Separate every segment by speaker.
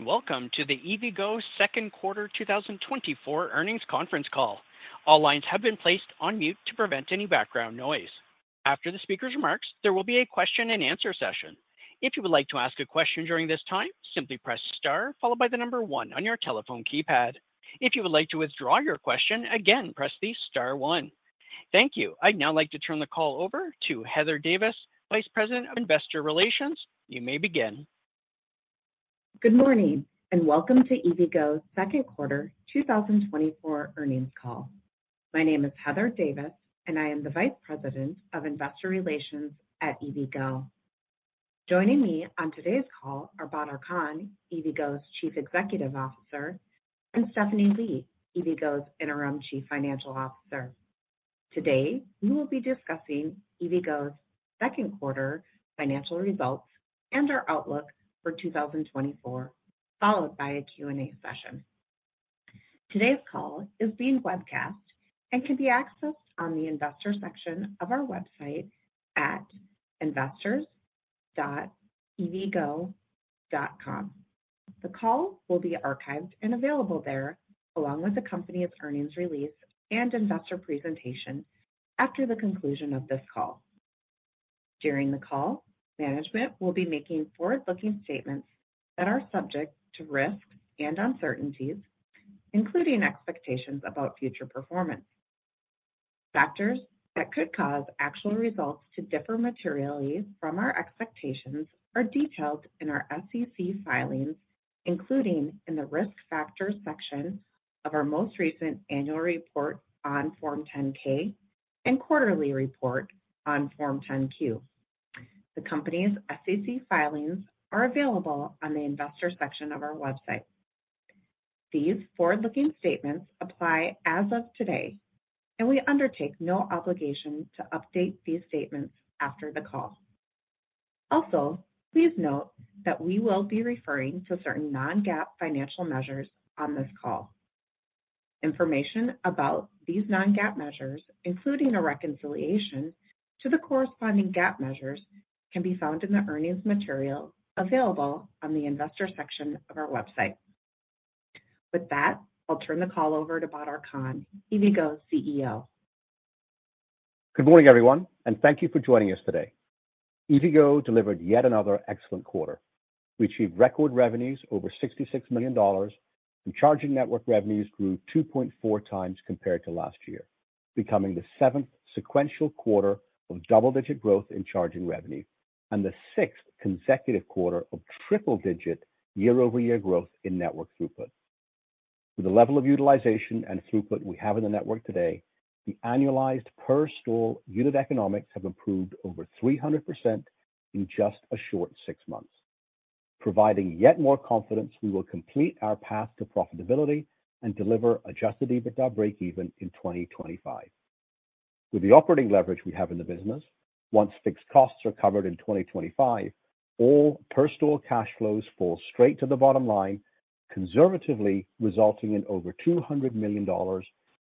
Speaker 1: Hi, and welcome to the EVgo Second Quarter 2024 earnings conference call. All lines have been placed on mute to prevent any background noise. After the speaker's remarks, there will be a question and answer session. If you would like to ask a question during this time, simply press star, followed by the number one on your telephone keypad. If you would like to withdraw your question, again, press the star one. Thank you. I'd now like to turn the call over to Heather Davis, Vice President of Investor Relations. You may begin.
Speaker 2: Good morning, and welcome to EVgo Second Quarter 2024 earnings call. My name is Heather Davis, and I am the Vice President of Investor Relations at EVgo. Joining me on today's call are Badar Khan, EVgo's Chief Executive Officer, and Stephanie Lee, EVgo's Interim Chief Financial Officer. Today, we will be discussing EVgo's second quarter financial results and our outlook for 2024, followed by a Q&A session. Today's call is being webcast and can be accessed on the investor section of our website at investors.evgo.com. The call will be archived and available there, along with the company's earnings release and investor presentation after the conclusion of this call. During the call, management will be making forward-looking statements that are subject to risks and uncertainties, including expectations about future performance. Factors that could cause actual results to differ materially from our expectations are detailed in our SEC filings, including in the risk factors section of our most recent annual report on Form 10-K and quarterly report on Form 10-Q. The company's SEC filings are available on the investor section of our website. These forward-looking statements apply as of today, and we undertake no obligation to update these statements after the call. Also, please note that we will be referring to certain non-GAAP financial measures on this call. Information about these non-GAAP measures, including a reconciliation to the corresponding GAAP measures, can be found in the earnings material available on the investor section of our website. With that, I'll turn the call over to Badar Khan, EVgo's CEO.
Speaker 3: Good morning, everyone, and thank you for joining us today. EVgo delivered yet another excellent quarter. We achieved record revenues over $66 million, and charging network revenues grew 2.4x compared to last year, becoming the seventh sequential quarter of double-digit growth in charging revenue and the sixth consecutive quarter of triple-digit year-over-year growth in network throughput. With the level of utilization and throughput we have in the network today, the annualized per-store unit economics have improved over 300% in just a short six months, providing yet more confidence we will complete our path to profitability and deliver Adjusted EBITDA break-even in 2025. With the operating leverage we have in the business, once fixed costs are covered in 2025, all per-store cash flows fall straight to the bottom line, conservatively resulting in over $200 million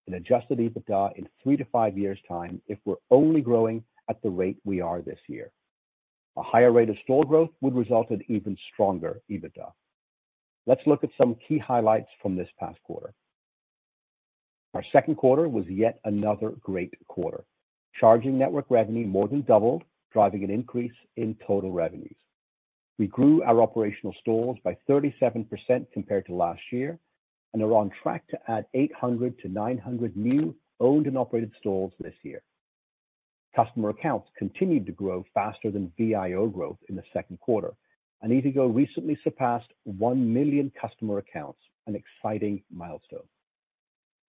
Speaker 3: in adjusted EBITDA in three to five years' time if we're only growing at the rate we are this year. A higher rate of store growth would result in even stronger EBITDA. Let's look at some key highlights from this past quarter. Our second quarter was yet another great quarter. Charging network revenue more than doubled, driving an increase in total revenues. We grew our operational stores by 37% compared to last year and are on track to add 800-900 new owned and operated stores this year. Customer accounts continued to grow faster than VIO growth in the second quarter, and EVgo recently surpassed 1 million customer accounts, an exciting milestone.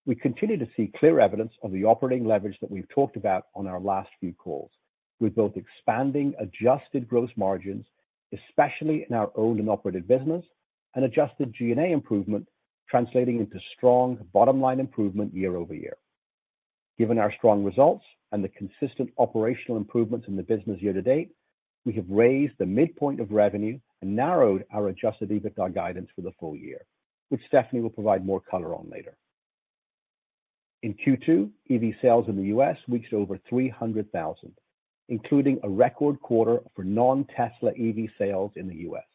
Speaker 3: We continue to see clear evidence of the operating leverage that we've talked about on our last few calls, with both expanding adjusted gross margins, especially in our owned and operated business, and adjusted G&A improvement translating into strong bottom-line improvement year-over-year. Given our strong results and the consistent operational improvements in the business year-to-date, we have raised the midpoint of revenue and narrowed our adjusted EBITDA guidance for the full year, which Stephanie will provide more color on later. In Q2, EV sales in the U.S. reached over 300,000, including a record quarter for non-Tesla EV sales in the U.S.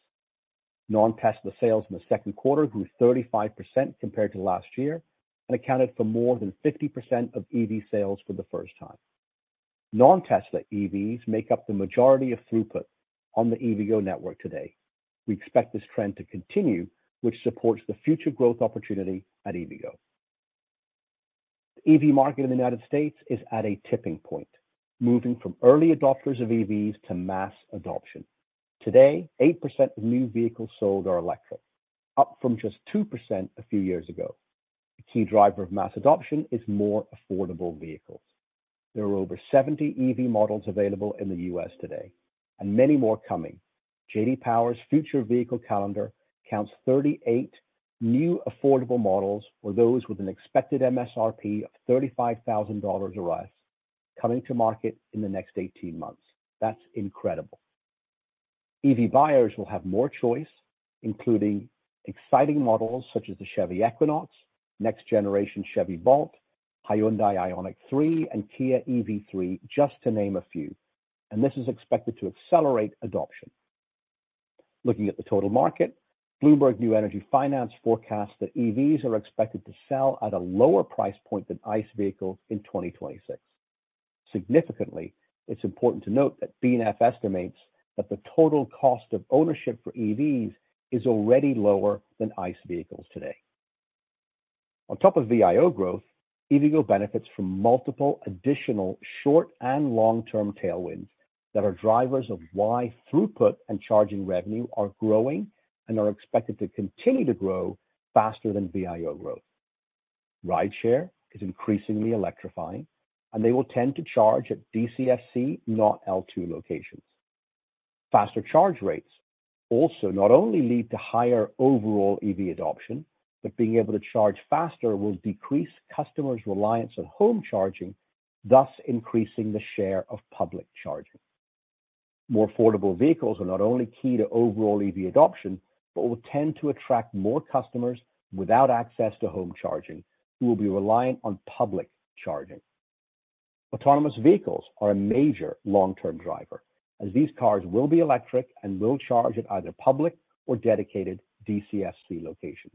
Speaker 3: Non-Tesla sales in the second quarter grew 35% compared to last year and accounted for more than 50% of EV sales for the first time. Non-Tesla EVs make up the majority of throughput on the EVgo network today. We expect this trend to continue, which supports the future growth opportunity at EVgo. The EV market in the United States is at a tipping point, moving from early adopters of EVs to mass adoption. Today, 8% of new vehicles sold are electric, up from just 2% a few years ago. A key driver of mass adoption is more affordable vehicles. There are over 70 EV models available in the U.S. today, and many more coming. J.D. Power's future vehicle calendar counts 38 new affordable models for those with an expected MSRP of $35,000 or less, coming to market in the next 18 months. That's incredible. EV buyers will have more choice, including exciting models such as the Chevy Equinox, next-generation Chevy Bolt, Hyundai IONIQ 3, and Kia EV3, just to name a few, and this is expected to accelerate adoption. Looking at the total market, Bloomberg New Energy Finance forecasts that EVs are expected to sell at a lower price point than ICE vehicles in 2026. Significantly, it's important to note that BNEF estimates that the total cost of ownership for EVs is already lower than ICE vehicles today. On top of VIO growth, EVgo benefits from multiple additional short and long-term tailwinds that are drivers of why throughput and charging revenue are growing and are expected to continue to grow faster than VIO growth. Rideshare is increasingly electrifying, and they will tend to charge at DCFC, not L2 locations. Faster charge rates also not only lead to higher overall EV adoption, but being able to charge faster will decrease customers' reliance on home charging, thus increasing the share of public charging. More affordable vehicles are not only key to overall EV adoption, but will tend to attract more customers without access to home charging who will be reliant on public charging. Autonomous vehicles are a major long-term driver, as these cars will be electric and will charge at either public or dedicated DCFC locations.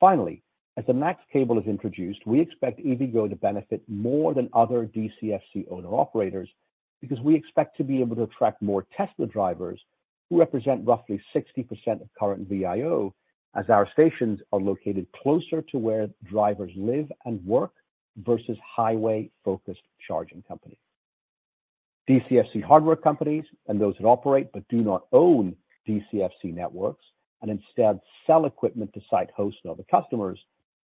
Speaker 3: Finally, as the NACS cable is introduced, we expect EVgo to benefit more than other DCFC owner-operators because we expect to be able to attract more Tesla drivers who represent roughly 60% of current VIO, as our stations are located closer to where drivers live and work versus highway-focused charging companies. DCFC hardware companies and those that operate but do not own DCFC networks and instead sell equipment to site hosts and other customers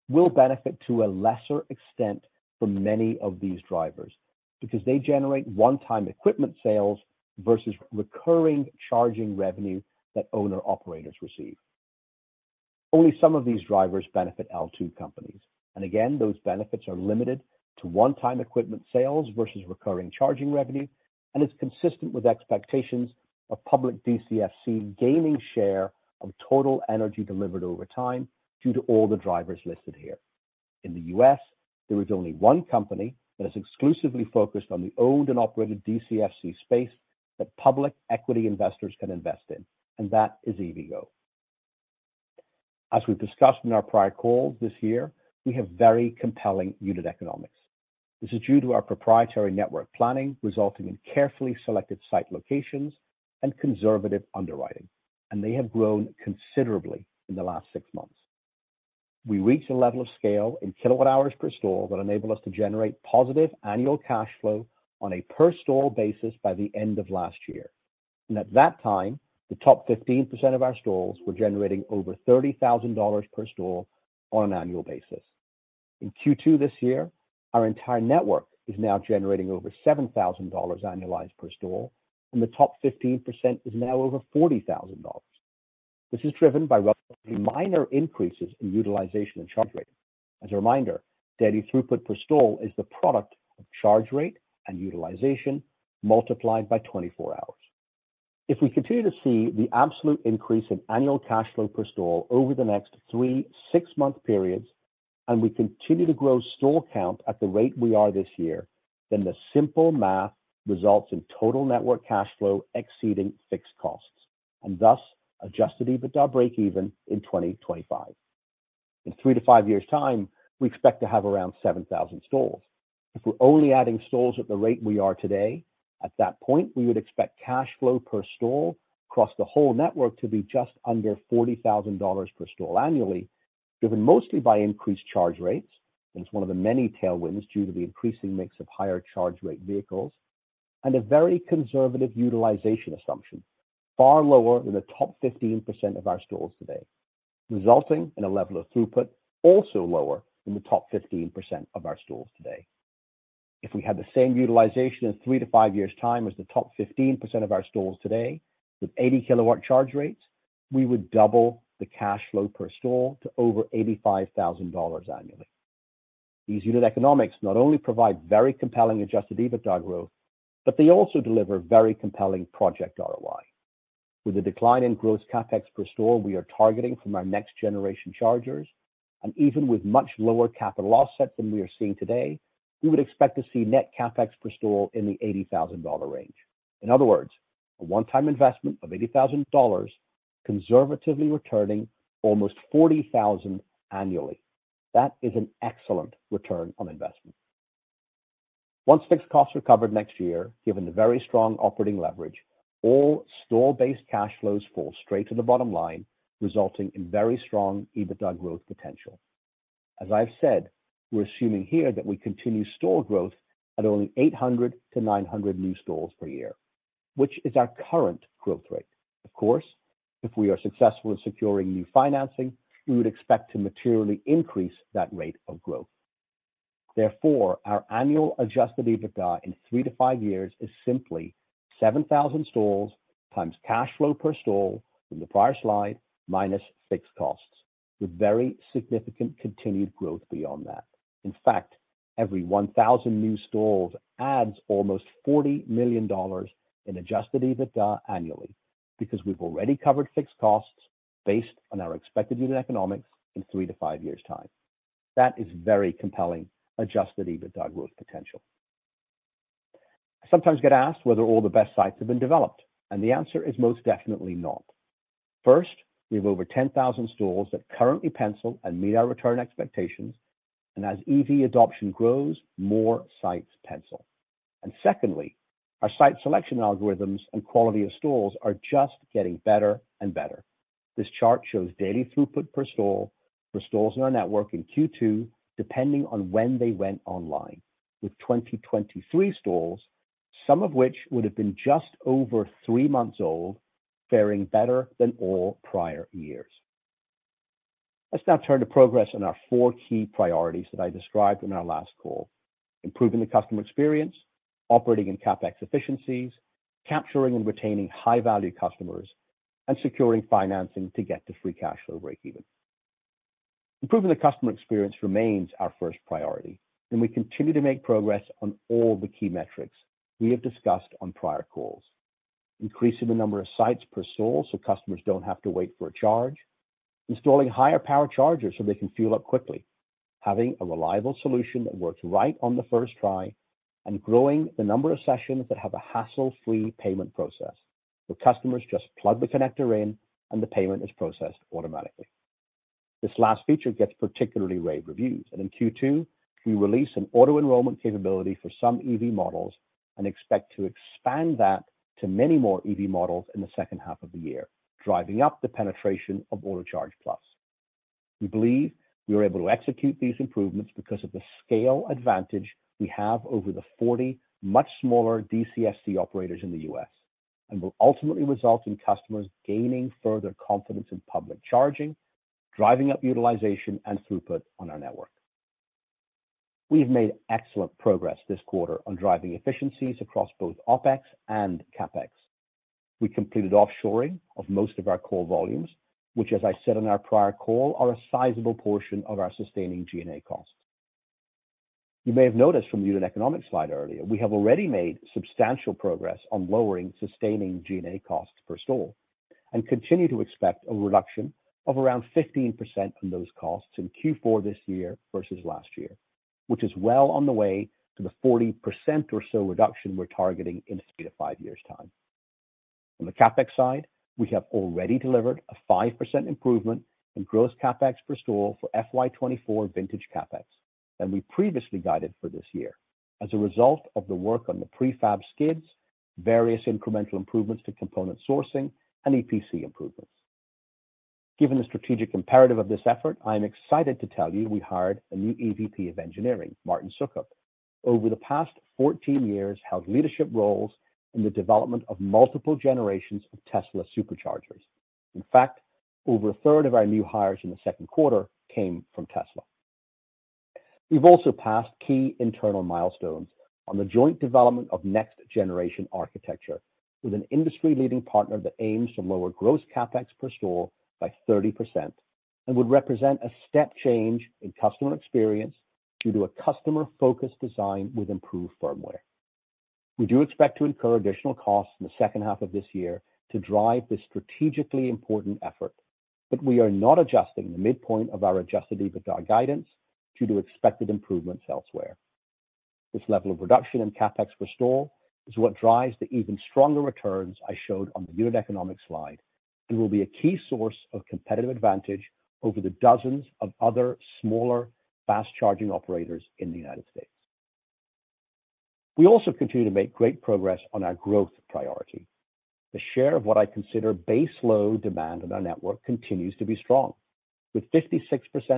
Speaker 3: will benefit to a lesser extent from many of these drivers because they generate one-time equipment sales versus recurring charging revenue that owner-operators receive. Only some of these drivers benefit L2 companies, and again, those benefits are limited to one-time equipment sales versus recurring charging revenue, and it's consistent with expectations of public DCFC gaining share of total energy delivered over time due to all the drivers listed here. In the U.S., there is only one company that is exclusively focused on the owned and operated DCFC space that public equity investors can invest in, and that is EVgo. As we've discussed in our prior calls this year, we have very compelling unit economics. This is due to our proprietary network planning resulting in carefully selected site locations and conservative underwriting, and they have grown considerably in the last six months. We reached a level of scale in kilowatt-hours per store that enabled us to generate positive annual cash flow on a per-store basis by the end of last year, and at that time, the top 15% of our stores were generating over $30,000 per store on an annual basis. In Q2 this year, our entire network is now generating over $7,000 annualized per store, and the top 15% is now over $40,000. This is driven by relatively minor increases in utilization and charge rate. As a reminder, daily throughput per store is the product of charge rate and utilization multiplied by 24 hours. If we continue to see the absolute increase in annual cash flow per store over the next 3 six-month periods, and we continue to grow store count at the rate we are this year, then the simple math results in total network cash flow exceeding fixed costs and thus Adjusted EBITDA break-even in 2025. In 3-5 years' time, we expect to have around 7,000 stores. If we're only adding stores at the rate we are today, at that point, we would expect cash flow per store across the whole network to be just under $40,000 per store annually, driven mostly by increased charge rates, and it's one of the many tailwinds due to the increasing mix of higher charge rate vehicles, and a very conservative utilization assumption, far lower than the top 15% of our stores today, resulting in a level of throughput also lower than the top 15% of our stores today. If we had the same utilization in three to five years' time as the top 15% of our stores today, with 80 kW charge rates, we would double the cash flow per store to over $85,000 annually. These unit economics not only provide very compelling Adjusted EBITDA growth, but they also deliver very compelling project ROI. With the decline in gross CapEx per store we are targeting from our next-generation chargers, and even with much lower capital offsets than we are seeing today, we would expect to see net CapEx per store in the $80,000 range. In other words, a one-time investment of $80,000 conservatively returning almost $40,000 annually. That is an excellent return on investment. Once fixed costs are covered next year, given the very strong operating leverage, all store-based cash flows fall straight to the bottom line, resulting in very strong EBITDA growth potential. As I've said, we're assuming here that we continue store growth at only 800-900 new stores per year, which is our current growth rate. Of course, if we are successful in securing new financing, we would expect to materially increase that rate of growth. Therefore, our annual adjusted EBITDA in three to five years is simply 7,000 stores times cash flow per store from the prior slide minus fixed costs, with very significant continued growth beyond that. In fact, every 1,000 new stores adds almost $40 million in adjusted EBITDA annually because we've already covered fixed costs based on our expected unit economics in three to five years' time. That is very compelling adjusted EBITDA growth potential. I sometimes get asked whether all the best sites have been developed, and the answer is most definitely not. First, we have over 10,000 stores that currently pencil and meet our return expectations, and as EV adoption grows, more sites pencil. And secondly, our site selection algorithms and quality of stores are just getting better and better. This chart shows daily throughput per store for stores in our network in Q2, depending on when they went online, with 2023 stores, some of which would have been just over three months old, faring better than all prior years. Let's now turn to progress on our four key priorities that I described in our last call: improving the customer experience, operating in CapEx efficiencies, capturing and retaining high-value customers, and securing financing to get to free cash flow break-even. Improving the customer experience remains our first priority, and we continue to make progress on all the key metrics we have discussed on prior calls: increasing the number of sites per store so customers don't have to wait for a charge, installing higher power chargers so they can fuel up quickly, having a reliable solution that works right on the first try, and growing the number of sessions that have a hassle-free payment process, where customers just plug the connector in and the payment is processed automatically. This last feature gets particularly rave reviews, and in Q2, we release an auto-enrollment capability for some EV models and expect to expand that to many more EV models in the second half of the year, driving up the penetration of Autocharge+. We believe we are able to execute these improvements because of the scale advantage we have over the 40 much smaller DCFC operators in the U.S., and will ultimately result in customers gaining further confidence in public charging, driving up utilization and throughput on our network. We have made excellent progress this quarter on driving efficiencies across both OpEx and CapEx. We completed offshoring of most of our core volumes, which, as I said on our prior call, are a sizable portion of our sustaining G&A costs. You may have noticed from the unit economics slide earlier, we have already made substantial progress on lowering sustaining G&A costs per store and continue to expect a reduction of around 15% on those costs in Q4 this year versus last year, which is well on the way to the 40% or so reduction we're targeting in three to five years' time. On the CapEx side, we have already delivered a 5% improvement in gross CapEx per store for FY 2024 vintage CapEx than we previously guided for this year, as a result of the work on the prefab skids, various incremental improvements to component sourcing, and EPC improvements. Given the strategic imperative of this effort, I am excited to tell you we hired a new EVP of Engineering, Martin Sukup, who over the past 14 years held leadership roles in the development of multiple generations of Tesla Superchargers. In fact, over a third of our new hires in the second quarter came from Tesla. We've also passed key internal milestones on the joint development of next-generation architecture with an industry-leading partner that aims to lower gross CapEx per store by 30% and would represent a step change in customer experience due to a customer-focused design with improved firmware. We do expect to incur additional costs in the second half of this year to drive this strategically important effort, but we are not adjusting the midpoint of our adjusted EBITDA guidance due to expected improvements elsewhere. This level of reduction in CapEx per store is what drives the even stronger returns I showed on the unit economics slide and will be a key source of competitive advantage over the dozens of other smaller fast-charging operators in the United States. We also continue to make great progress on our growth priority. The share of what I consider base load demand in our network continues to be strong, with 56%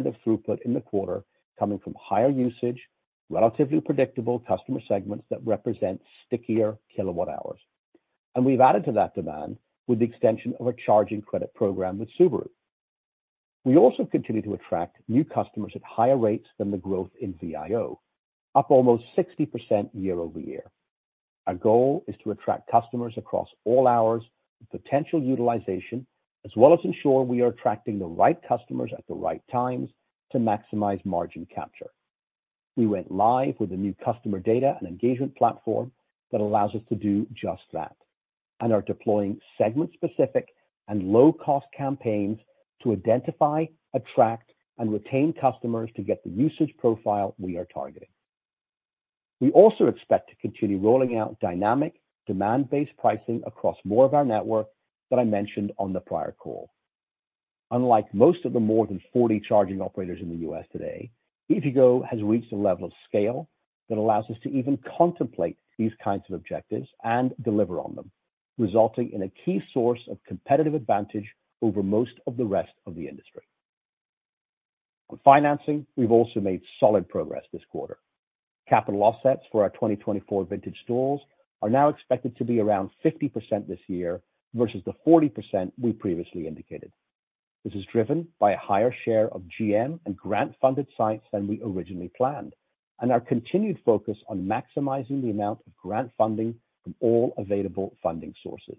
Speaker 3: of throughput in the quarter coming from higher usage, relatively predictable customer segments that represent stickier kilowatt-hours. We've added to that demand with the extension of our charging credit program with Subaru. We also continue to attract new customers at higher rates than the growth in VIO, up almost 60% year-over-year. Our goal is to attract customers across all hours with potential utilization, as well as ensure we are attracting the right customers at the right times to maximize margin capture. We went live with a new customer data and engagement platform that allows us to do just that and are deploying segment-specific and low-cost campaigns to identify, attract, and retain customers to get the usage profile we are targeting. We also expect to continue rolling out dynamic demand-based pricing across more of our network that I mentioned on the prior call. Unlike most of the more than 40 charging operators in the USA. Today, EVgo has reached a level of scale that allows us to even contemplate these kinds of objectives and deliver on them, resulting in a key source of competitive advantage over most of the rest of the industry. On financing, we've also made solid progress this quarter. Capital offsets for our 2024 vintage stores are now expected to be around 50% this year versus the 40% we previously indicated. This is driven by a higher share of GM and grant-funded sites than we originally planned and our continued focus on maximizing the amount of grant funding from all available funding sources.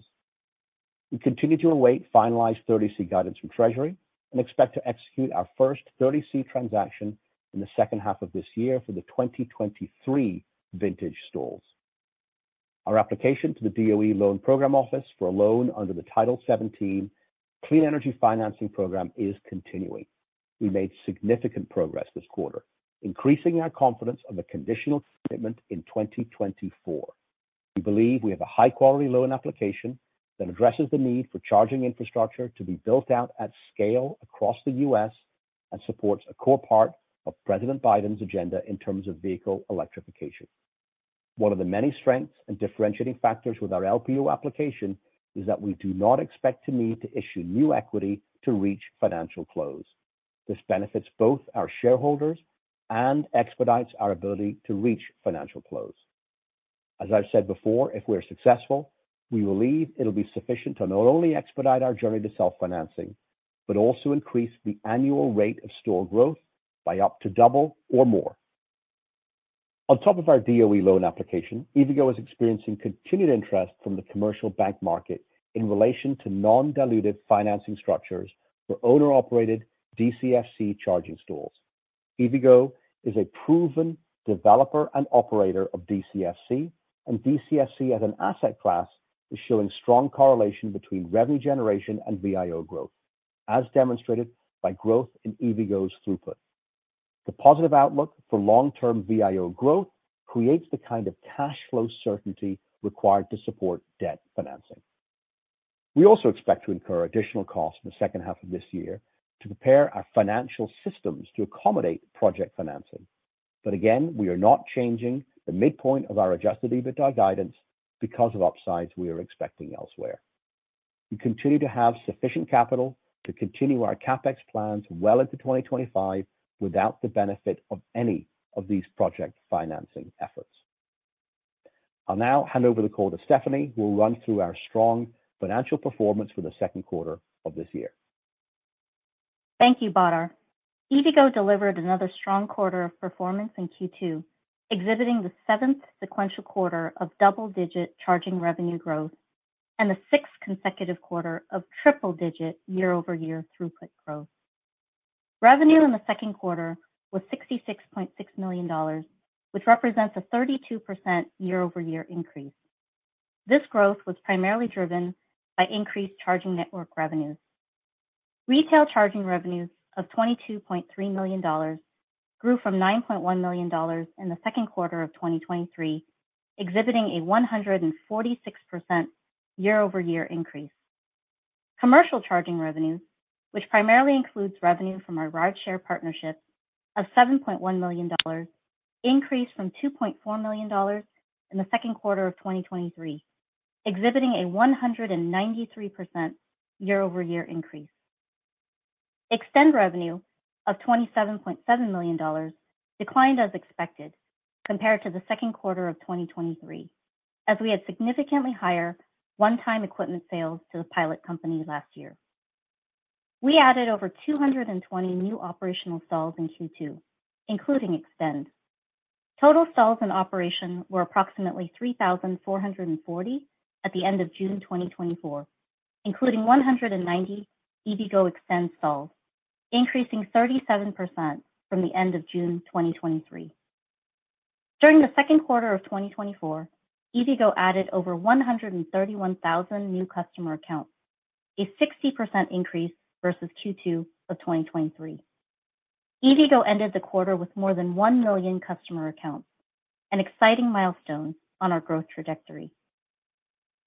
Speaker 3: We continue to await finalized 30C guidance from Treasury and expect to execute our first 30C transaction in the second half of this year for the 2023 vintage stores. Our application to the DOE Loan Programs Office for a loan under the Title 17 Clean Energy Financing Program is continuing. We made significant progress this quarter, increasing our confidence of a conditional commitment in 2024. We believe we have a high-quality loan application that addresses the need for charging infrastructure to be built out at scale across the U.S. and supports a core part of President Biden's agenda in terms of vehicle electrification. One of the many strengths and differentiating factors with our LPO application is that we do not expect to need to issue new equity to reach financial close. This benefits both our shareholders and expedites our ability to reach financial close. As I've said before, if we are successful, we believe it'll be sufficient to not only expedite our journey to self-financing, but also increase the annual rate of store growth by up to double or more. On top of our DOE loan application, EVgo is experiencing continued interest from the commercial bank market in relation to non-dilutive financing structures for owner-operated DCFC charging stores. EVgo is a proven developer and operator of DCFC, and DCFC as an asset class is showing strong correlation between revenue generation and VIO growth, as demonstrated by growth in EVgo's throughput. The positive outlook for long-term VIO growth creates the kind of cash flow certainty required to support debt financing. We also expect to incur additional costs in the second half of this year to prepare our financial systems to accommodate project financing. But again, we are not changing the midpoint of our Adjusted EBITDA guidance because of upsides we are expecting elsewhere. We continue to have sufficient capital to continue our CapEx plans well into 2025 without the benefit of any of these project financing efforts. I'll now hand over the call to Stephanie, who will run through our strong financial performance for the second quarter of this year.
Speaker 4: Thank you, Badar. EVgo delivered another strong quarter of performance in Q2, exhibiting the seventh sequential quarter of double-digit charging revenue growth and the sixth consecutive quarter of triple-digit year-over-year throughput growth. Revenue in the second quarter was $66.6 million, which represents a 32% year-over-year increase. This growth was primarily driven by increased charging network revenues. Retail charging revenues of $22.3 million grew from $9.1 million in the second quarter of 2023, exhibiting a 146% year-over-year increase. Commercial charging revenues, which primarily includes revenue from our rideshare partnerships, of $7.1 million increased from $2.4 million in the second quarter of 2023, exhibiting a 193% year-over-year increase. eXtend revenue of $27.7 million declined as expected compared to the second quarter of 2023, as we had significantly higher one-time equipment sales to the Pilot Company last year. We added over 220 new operational stalls in Q2, including eXtend. Total stalls in operation were approximately 3,440 at the end of June 2024, including 190 EVgo eXtend stalls, increasing 37% from the end of June 2023. During the second quarter of 2024, EVgo added over 131,000 new customer accounts, a 60% increase versus Q2 of 2023. EVgo ended the quarter with more than 1 million customer accounts, an exciting milestone on our growth trajectory.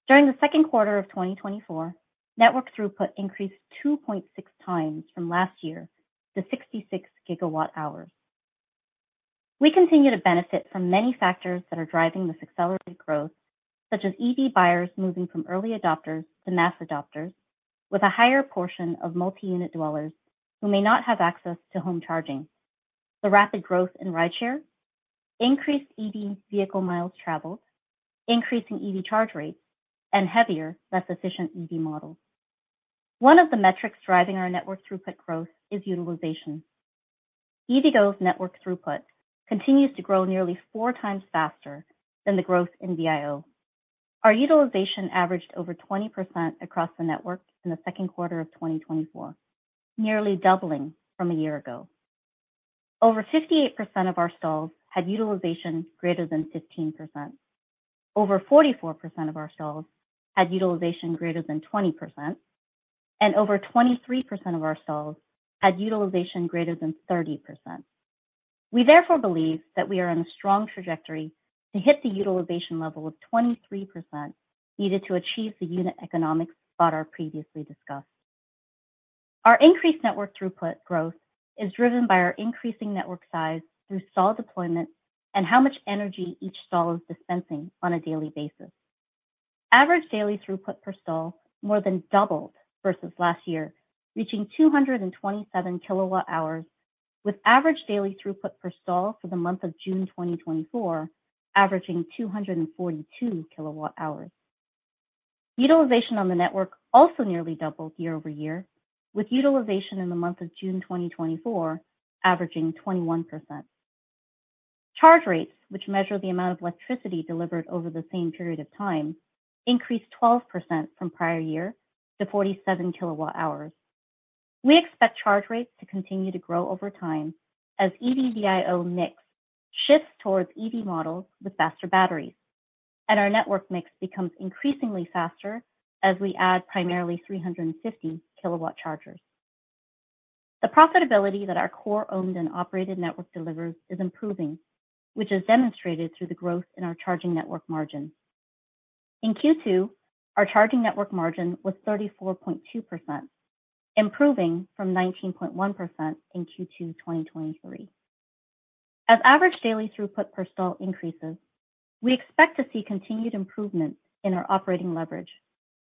Speaker 4: During the second quarter of 2024, network throughput increased 2.6 times from last year to 66 GWh. We continue to benefit from many factors that are driving this accelerated growth, such as EV buyers moving from early adopters to mass adopters, with a higher portion of multi-unit dwellers who may not have access to home charging, the rapid growth in rideshare increased EV vehicle miles traveled, increasing EV charge rates, and heavier, less efficient EV models. One of the metrics driving our network throughput growth is utilization. EVgo's network throughput continues to grow nearly four times faster than the growth in VIO. Our utilization averaged over 20% across the network in the second quarter of 2024, nearly doubling from a year ago. Over 58% of our stalls had utilization greater than 15%, over 44% of our stalls had utilization greater than 20%, and over 23% of our stalls had utilization greater than 30%. We therefore believe that we are on a strong trajectory to hit the utilization level of 23% needed to achieve the unit economics Badar previously discussed. Our increased network throughput growth is driven by our increasing network size through stall deployment and how much energy each stall is dispensing on a daily basis. Average daily throughput per stall more than doubled versus last year, reaching 227 kWh, with average daily throughput per stall for the month of June 2024 averaging 242 kWh. Utilization on the network also nearly doubled year-over-year, with utilization in the month of June 2024 averaging 21%. Charge rates, which measure the amount of electricity delivered over the same period of time, increased 12% from prior year to 47 kWh. We expect charge rates to continue to grow over time as EV/VIO mix shifts towards EV models with faster batteries, and our network mix becomes increasingly faster as we add primarily 350 kW chargers. The profitability that our core-owned and operated network delivers is improving, which is demonstrated through the growth in our charging network margins. In Q2, our charging network margin was 34.2%, improving from 19.1% in Q2 2023. As average daily throughput per stall increases, we expect to see continued improvements in our operating leverage,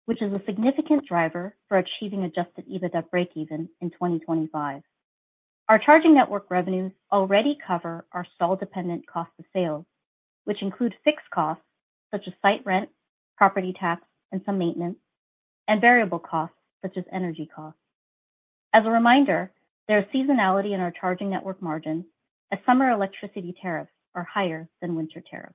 Speaker 4: which is a significant driver for achieving adjusted EBITDA break-even in 2025. Our charging network revenues already cover our stall-dependent cost of sales, which include fixed costs such as site rent, property tax, and some maintenance, and variable costs such as energy costs. As a reminder, there is seasonality in our charging network margins as summer electricity tariffs are higher than winter tariffs.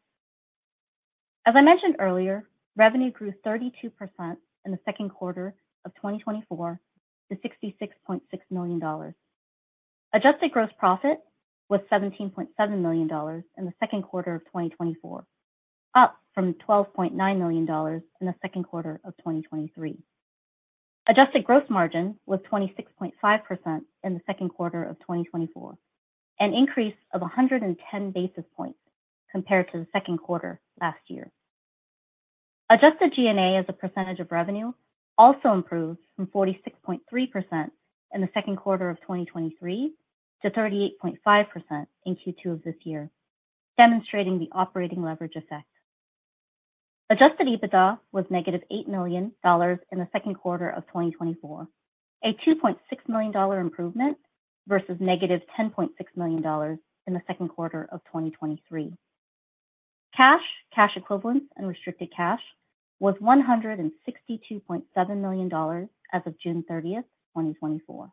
Speaker 4: As I mentioned earlier, revenue grew 32% in the second quarter of 2024 to $66.6 million. Adjusted gross profit was $17.7 million in the second quarter of 2024, up from $12.9 million in the second quarter of 2023. Adjusted gross margin was 26.5% in the second quarter of 2024, an increase of 110 basis points compared to the second quarter last year. Adjusted G&A as a percentage of revenue also improved from 46.3% in the second quarter of 2023 to 38.5% in Q2 of this year, demonstrating the operating leverage effect. Adjusted EBITDA was -$8 million in the second quarter of 2024, a $2.6 million improvement versus -$10.6 million in the second quarter of 2023. Cash, cash equivalents, and restricted cash was $162.7 million as of June 30th, 2024.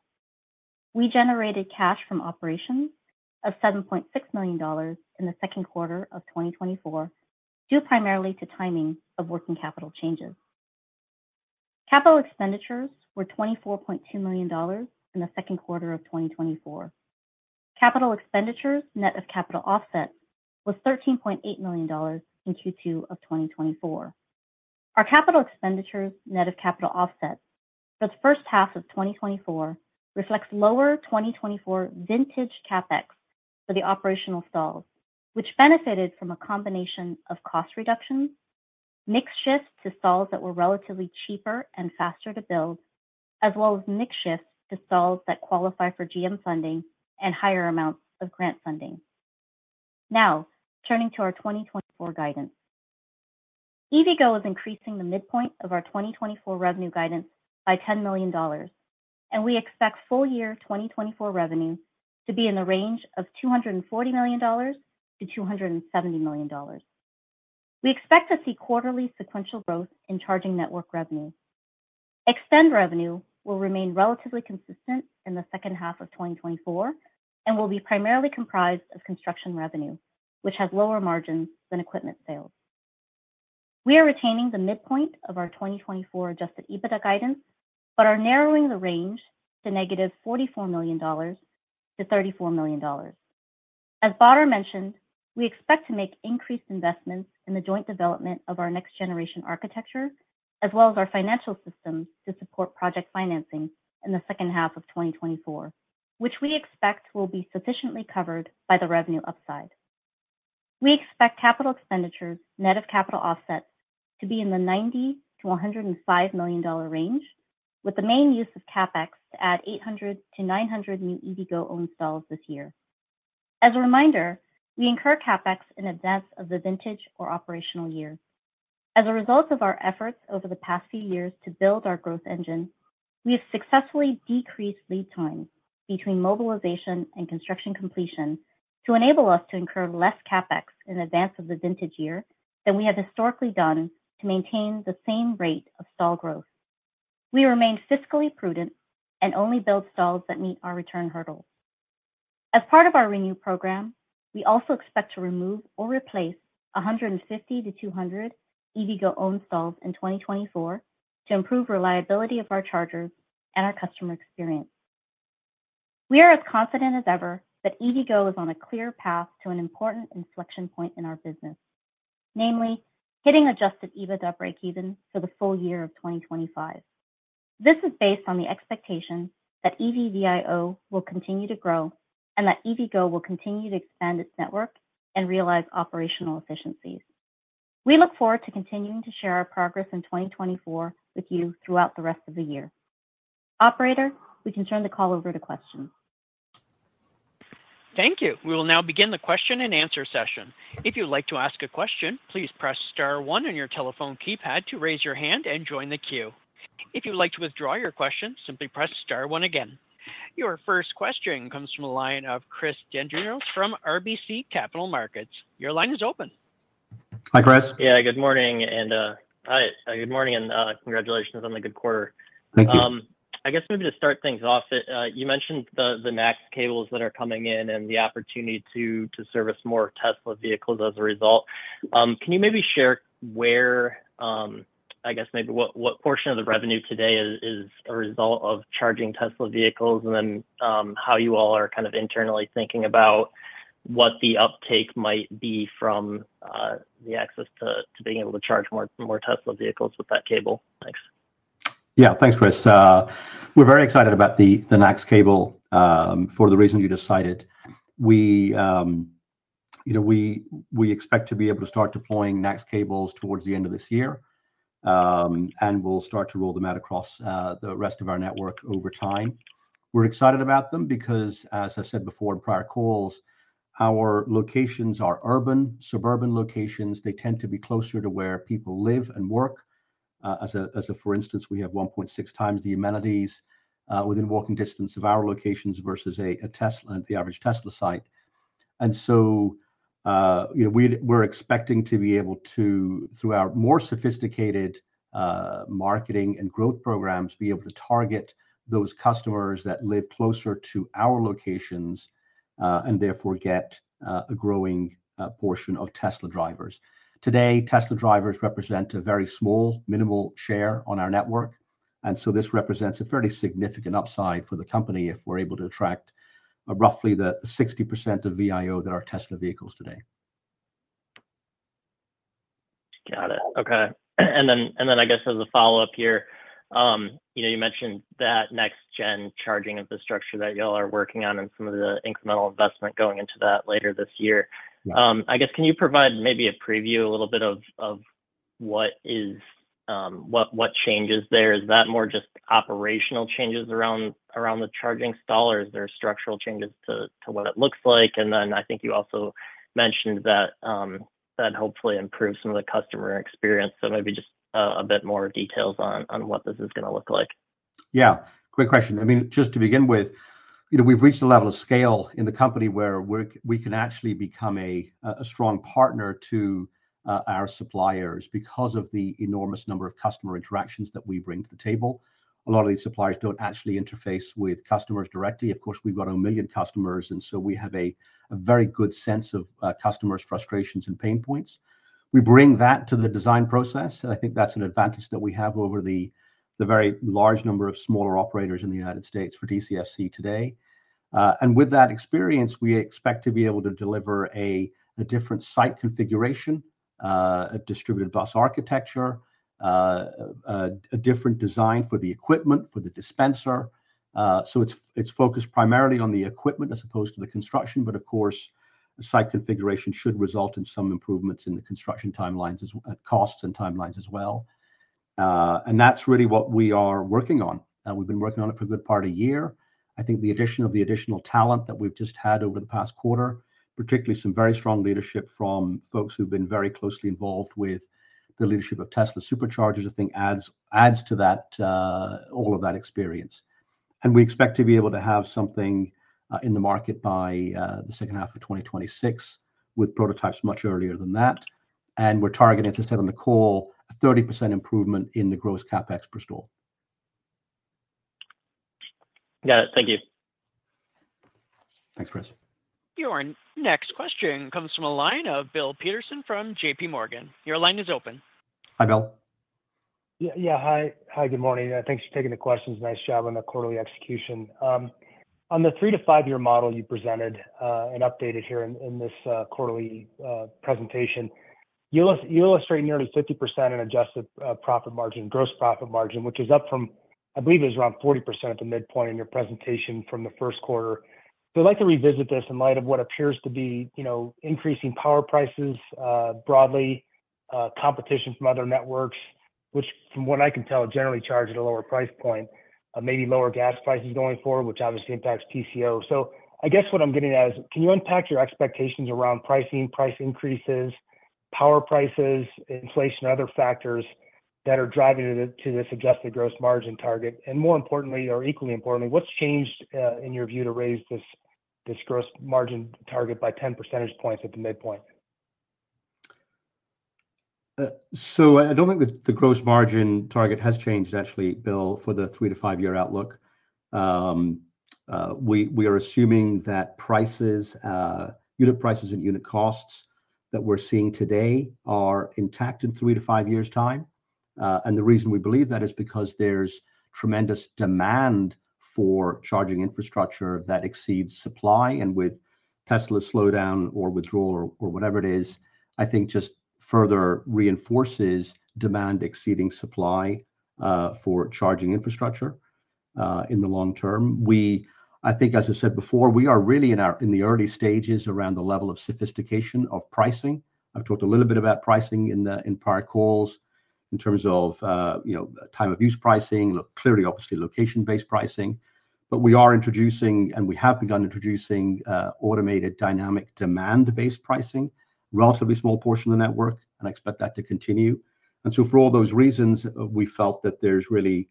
Speaker 4: We generated cash from operations of $7.6 million in the second quarter of 2024 due primarily to timing of working capital changes. Capital expenditures were $24.2 million in the second quarter of 2024. Capital expenditures net of capital offsets was $13.8 million in Q2 of 2024. Our capital expenditures net of capital offsets for the first half of 2024 reflects lower 2024 vintage CapEx for the operational stalls, which benefited from a combination of cost reductions, mixed shifts to stalls that were relatively cheaper and faster to build, as well as mixed shifts to stalls that qualify for GM funding and higher amounts of grant funding. Now, turning to our 2024 guidance, EVgo is increasing the midpoint of our 2024 revenue guidance by $10 million, and we expect full year 2024 revenue to be in the range of $240 million-$270 million. We expect to see quarterly sequential growth in charging network revenue. eXtend revenue will remain relatively consistent in the second half of 2024 and will be primarily comprised of construction revenue, which has lower margins than equipment sales. We are retaining the midpoint of our 2024 adjusted EBITDA guidance, but are narrowing the range to -$44 million to -$34 million. As Badar mentioned, we expect to make increased investments in the joint development of our next-generation architecture, as well as our financial system to support project financing in the second half of 2024, which we expect will be sufficiently covered by the revenue upside. We expect capital expenditures net of capital offsets to be in the $90-$105 million range, with the main use of CapEx to add 800-900 new EVgo-owned stalls this year. As a reminder, we incur CapEx in advance of the vintage or operational year. As a result of our efforts over the past few years to build our growth engine, we have successfully decreased lead time between mobilization and construction completion to enable us to incur less CapEx in advance of the vintage year than we have historically done to maintain the same rate of stall growth. We remain fiscally prudent and only build stalls that meet our return hurdles. As part of our ReNew program, we also expect to remove or replace 150-200 EVgo-owned stalls in 2024 to improve reliability of our chargers and our customer experience. We are as confident as ever that EVgo is on a clear path to an important inflection point in our business, namely hitting Adjusted EBITDA break-even for the full year of 2025. This is based on the expectation that EVgo will continue to grow and that EVgo will continue to expand its network and realize operational efficiencies. We look forward to continuing to share our progress in 2024 with you throughout the rest of the year. Operator, we can turn the call over to questions.
Speaker 1: Thank you. We will now begin the question and answer session. If you'd like to ask a question, please press star one on your telephone keypad to raise your hand and join the queue. If you'd like to withdraw your question, simply press star one again. Your first question comes from the line of Chris Dendrinos from RBC Capital Markets. Your line is open.
Speaker 3: Hi, Chris.
Speaker 5: Yeah, good morning. And hi, good morning and congratulations on the good quarter.
Speaker 3: Thank you.
Speaker 5: I guess maybe to start things off, you mentioned the NACS cables that are coming in and the opportunity to service more Tesla vehicles as a result. Can you maybe share where, I guess maybe what portion of the revenue today is a result of charging Tesla vehicles and then how you all are kind of internally thinking about what the uptake might be from the access to being able to charge more Tesla vehicles with that cable?
Speaker 3: Thanks. Yeah, thanks, Chris. We're very excited about the NACS cable for the reasons you described. We expect to be able to start deploying NACS cables towards the end of this year, and we'll start to roll them out across the rest of our network over time. We're excited about them because, as I've said before in prior calls, our locations are urban, suburban locations. They tend to be closer to where people live and work. As a for instance, we have 1.6x the amenities within walking distance of our locations versus a Tesla at the average Tesla site. And so we're expecting to be able to, through our more sophisticated marketing and growth programs, be able to target those customers that live closer to our locations and therefore get a growing portion of Tesla drivers. Today, Tesla drivers represent a very small, minimal share on our network, and so this represents a fairly significant upside for the company if we're able to attract roughly the 60% of VIO that are Tesla vehicles today.
Speaker 5: Got it. Okay. And then I guess as a follow-up here, you mentioned that next-gen charging infrastructure that y'all are working on and some of the incremental investment going into that later this year. I guess, can you provide maybe a preview, a little bit of what changes there? Is that more just operational changes around the charging stall or is there structural changes to what it looks like? And then I think you also mentioned that that hopefully improves some of the customer experience. So maybe just a bit more details on what this is going to look like.
Speaker 3: Yeah. Great question. I mean, just to begin with, we've reached a level of scale in the company where we can actually become a strong partner to our suppliers because of the enormous number of customer interactions that we bring to the table. A lot of these suppliers don't actually interface with customers directly. Of course, we've got 1 million customers, and so we have a very good sense of customers' frustrations and pain points. We bring that to the design process, and I think that's an advantage that we have over the very large number of smaller operators in the United States for DCFC today. With that experience, we expect to be able to deliver a different site configuration, a distributed bus architecture, a different design for the equipment, for the dispenser. So it's focused primarily on the equipment as opposed to the construction, but of course, site configuration should result in some improvements in the construction timelines and costs and timelines as well. That's really what we are working on. We've been working on it for a good part of a year. I think the addition of the additional talent that we've just had over the past quarter, particularly some very strong leadership from folks who've been very closely involved with the leadership of Tesla Superchargers, I think adds to all of that experience. And we expect to be able to have something in the market by the second half of 2026 with prototypes much earlier than that. And we're targeting, as I said on the call, a 30% improvement in the gross CapEx per stall.
Speaker 5: Got it. Thank you.
Speaker 3: Thanks, Chris.
Speaker 1: Your next question comes from a line of Bill Peterson from JPMorgan. Your line is open.
Speaker 3: Hi, Bill.
Speaker 6: Yeah, hi. Hi, good morning. Thanks for taking the questions. Nice job on the quarterly execution. On the 3- to 5-year model you presented and updated here in this quarterly presentation, you illustrate nearly 50% in adjusted profit margin, gross profit margin, which is up from, I believe it was around 40% at the midpoint in your presentation from the first quarter. So I'd like to revisit this in light of what appears to be increasing power prices broadly, competition from other networks, which, from what I can tell, generally charge at a lower price point, maybe lower gas prices going forward, which obviously impacts TCO. So I guess what I'm getting at is, can you unpack your expectations around pricing, price increases, power prices, inflation, and other factors that are driving to this adjusted gross margin target? And more importantly, or equally importantly, what's changed in your view to raise this gross margin target by 10 percentage points at the midpoint?
Speaker 3: So I don't think the gross margin target has changed, actually, Bill, for the three to five-year outlook. We are assuming that unit prices and unit costs that we're seeing today are intact in three to five years' time. And the reason we believe that is because there's tremendous demand for charging infrastructure that exceeds supply. And with Tesla's slowdown or withdrawal or whatever it is, I think just further reinforces demand exceeding supply for charging infrastructure in the long term. I think, as I said before, we are really in the early stages around the level of sophistication of pricing. I've talked a little bit about pricing in prior calls in terms of time-of-use pricing, clearly, obviously, location-based pricing. But we are introducing, and we have begun introducing automated dynamic demand-based pricing, a relatively small portion of the network, and I expect that to continue. And so for all those reasons, we felt that there's really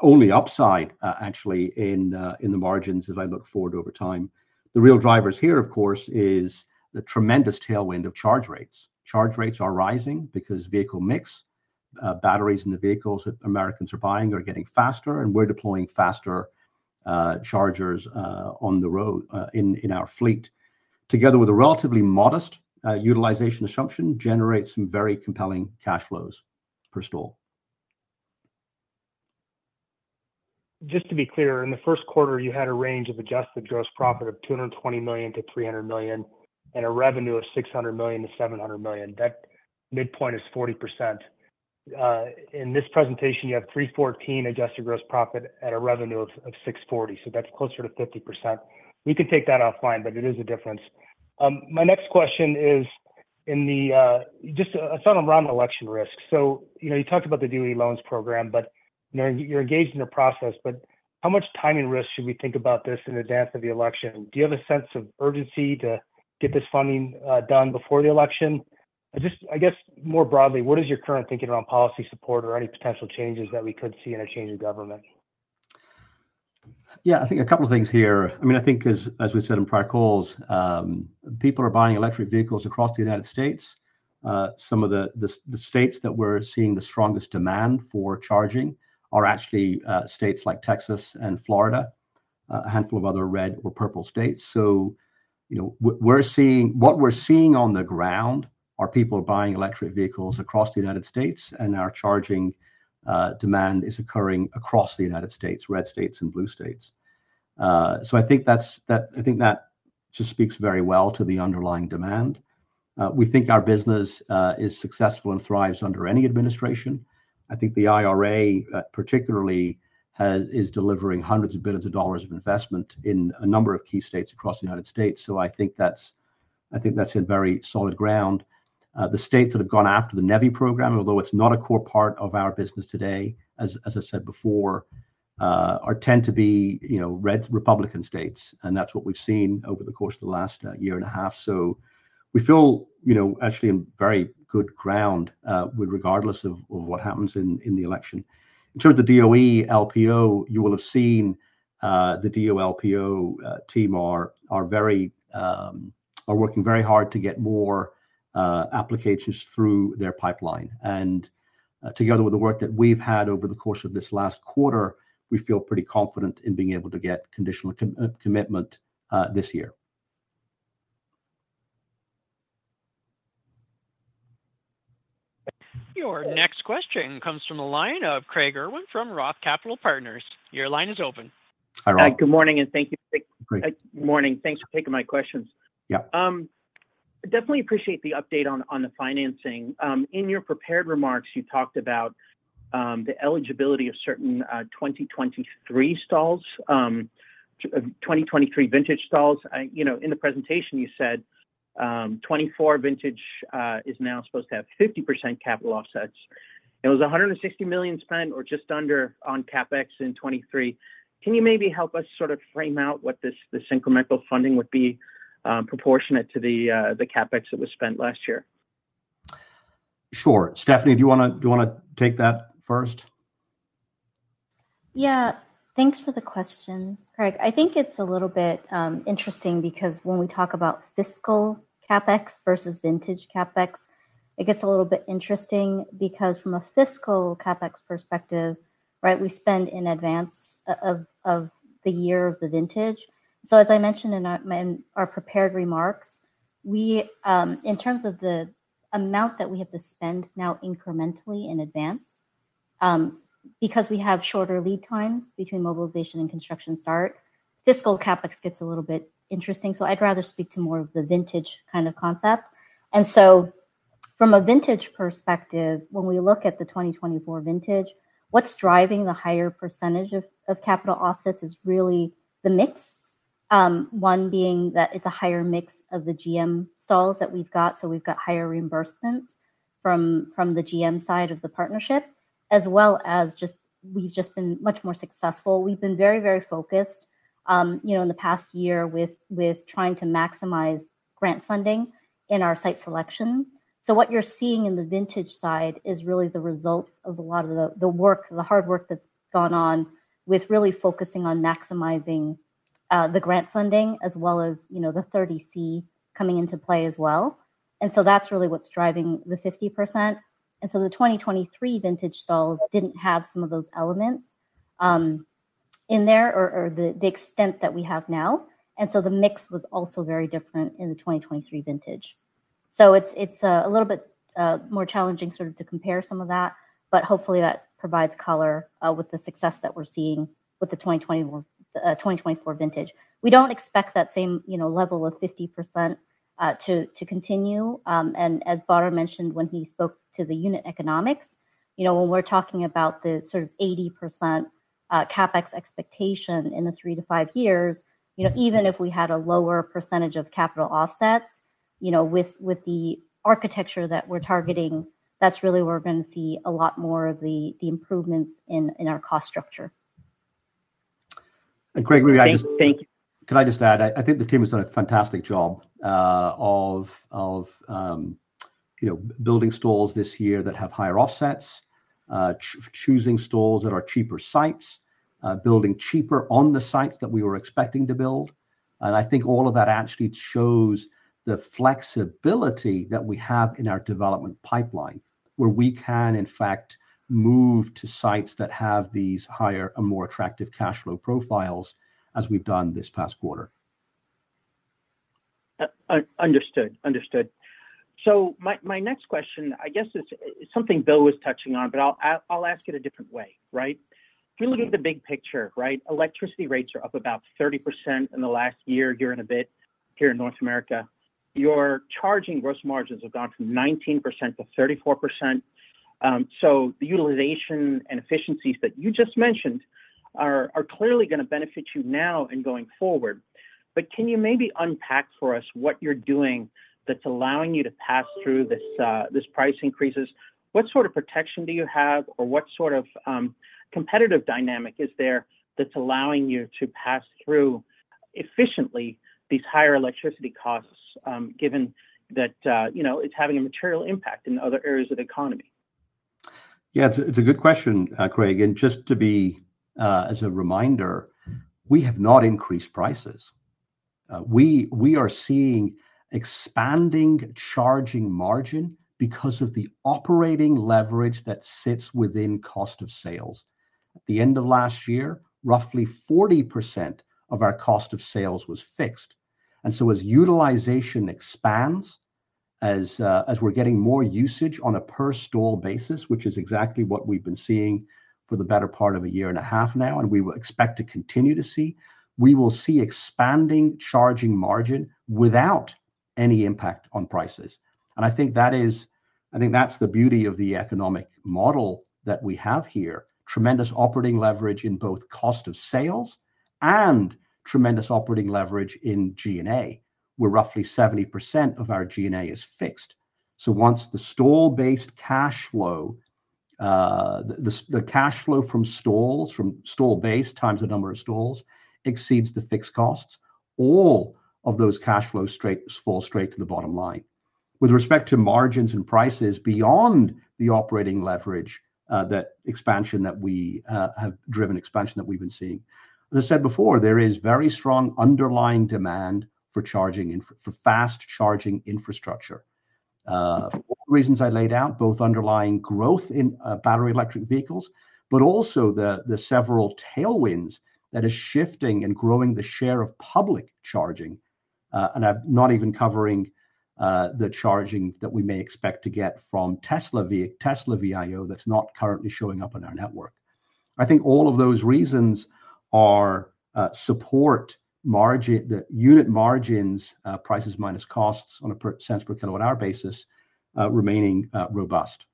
Speaker 3: only upside, actually, in the margins as I look forward over time. The real drivers here, of course, is the tremendous tailwind of charge rates. Charge rates are rising because vehicle mix, batteries in the vehicles that Americans are buying are getting faster, and we're deploying faster chargers on the road in our fleet. Together with a relatively modest utilization assumption, generates some very compelling cash flows per stall.
Speaker 6: Just to be clear, in the first quarter, you had a range of adjusted gross profit of $220 million-$300 million and a revenue of $600 million-$700 million. That midpoint is 40%. In this presentation, you have $314 adjusted gross profit and a revenue of $640. So that's closer to 50%. We can take that offline, but it is a difference. My next question is just a thought around election risk. So you talked about the DOE loans program, but you're engaged in the process, but how much timing risk should we think about this in advance of the election? Do you have a sense of urgency to get this funding done before the election? I guess more broadly, what is your current thinking around policy support or any potential changes that we could see in a change of government?
Speaker 3: Yeah, I think a couple of things here. I mean, I think, as we said in prior calls, people are buying electric vehicles across the United States. Some of the states that we're seeing the strongest demand for charging are actually states like Texas and Florida, a handful of other red or purple states. So what we're seeing on the ground are people buying electric vehicles across the United States, and our charging demand is occurring across the United States, red states and blue states. So I think that just speaks very well to the underlying demand. We think our business is successful and thrives under any administration. I think the IRA particularly is delivering hundreds of billions of investment in a number of key states across the United States. So I think that's in very solid ground. The states that have gone after the NEVI program, although it's not a core part of our business today, as I said before, tend to be red Republican states, and that's what we've seen over the course of the last year and a half. So we feel actually in very good ground regardless of what happens in the election. In terms of the DOE LPO, you will have seen the DOE LPO team are working very hard to get more applications through their pipeline. And together with the work that we've had over the course of this last quarter, we feel pretty confident in being able to get conditional commitment this year.
Speaker 1: Your next question comes from the line of Craig Irwin from Roth Capital Partners. Your line is open.
Speaker 7: Hi, good morning, and thank you. Good morning. Thanks for taking my questions. Yeah. Definitely appreciate the update on the financing. In your prepared remarks, you talked about the eligibility of certain 2023 vintage stalls. In the presentation, you said 2024 vintage is now supposed to have 50% capital offsets. It was $160 million spent or just under on CapEx in 2023. Can you maybe help us sort of frame out what this incremental funding would be proportionate to the CapEx that was spent last year?
Speaker 3: Sure. Stephanie, do you want to take that first?
Speaker 4: Yeah. Thanks for the question, Craig. I think it's a little bit interesting because when we talk about fiscal CapEx versus vintage CapEx, it gets a little bit interesting because from a fiscal CapEx perspective, right, we spend in advance of the year of the vintage. So as I mentioned in our prepared remarks, in terms of the amount that we have to spend now incrementally in advance, because we have shorter lead times between mobilization and construction start, fiscal CapEx gets a little bit interesting. So I'd rather speak to more of the vintage kind of concept. From a vintage perspective, when we look at the 2024 vintage, what's driving the higher percentage of capital offsets is really the mix, one being that it's a higher mix of the GM stalls that we've got. So we've got higher reimbursements from the GM side of the partnership, as well as just we've just been much more successful. We've been very, very focused in the past year with trying to maximize grant funding in our site selection. So what you're seeing in the vintage side is really the results of a lot of the work, the hard work that's gone on with really focusing on maximizing the grant funding as well as the 30C coming into play as well. That's really what's driving the 50%. The 2023 vintage stalls didn't have some of those elements in there or the extent that we have now. The mix was also very different in the 2023 vintage. So it's a little bit more challenging sort of to compare some of that, but hopefully that provides color with the success that we're seeing with the 2024 vintage. We don't expect that same level of 50% to continue. As Badar mentioned when he spoke to the unit economics, when we're talking about the sort of 80% CapEx expectation in the three to five years, even if we had a lower percentage of capital offsets with the architecture that we're targeting, that's really where we're going to see a lot more of the improvements in our cost structure.
Speaker 3: Craig, maybe I just. Thank you. Can I just add? I think the team has done a fantastic job of building stalls this year that have higher offsets, choosing stalls that are cheaper sites, building cheaper on the sites that we were expecting to build. I think all of that actually shows the flexibility that we have in our development pipeline where we can, in fact, move to sites that have these higher and more attractive cash flow profiles as we've done this past quarter.
Speaker 7: Understood. Understood. So my next question, I guess, is something Bill was touching on, but I'll ask it a different way, right? If we look at the big picture, right, electricity rates are up about 30% in the last year, year and a bit here in North America. Your charging gross margins have gone from 19%-34%. So the utilization and efficiencies that you just mentioned are clearly going to benefit you now and going forward. But can you maybe unpack for us what you're doing that's allowing you to pass through these price increases? What sort of protection do you have or what sort of competitive dynamic is there that's allowing you to pass through efficiently these higher electricity costs given that it's having a material impact in other areas of the economy?
Speaker 3: Yeah, it's a good question, Craig. And just as a reminder, we have not increased prices. We are seeing expanding charging margin because of the operating leverage that sits within cost of sales. At the end of last year, roughly 40% of our cost of sales was fixed. As utilization expands, as we're getting more usage on a per stall basis, which is exactly what we've been seeing for the better part of a year and a half now, and we expect to continue to see, we will see expanding charging margin without any impact on prices. And I think that is I think that's the beauty of the economic model that we have here. Tremendous operating leverage in both cost of sales and tremendous operating leverage in G&A, where roughly 70% of our G&A is fixed. So once the stall-based cash flow, the cash flow from stalls, from stall-based times the number of stalls, exceeds the fixed costs, all of those cash flows fall straight to the bottom line. With respect to margins and prices beyond the operating leverage, that expansion that we have driven, expansion that we've been seeing. As I said before, there is very strong underlying demand for fast charging infrastructure. For reasons I laid out, both underlying growth in battery electric vehicles, but also the several tailwinds that are shifting and growing the share of public charging, and I'm not even covering the charging that we may expect to get from Tesla VIO that's not currently showing up on our network. I think all of those reasons support the unit margins, prices minus costs on a percentage per kilowatt-hour basis, remaining robust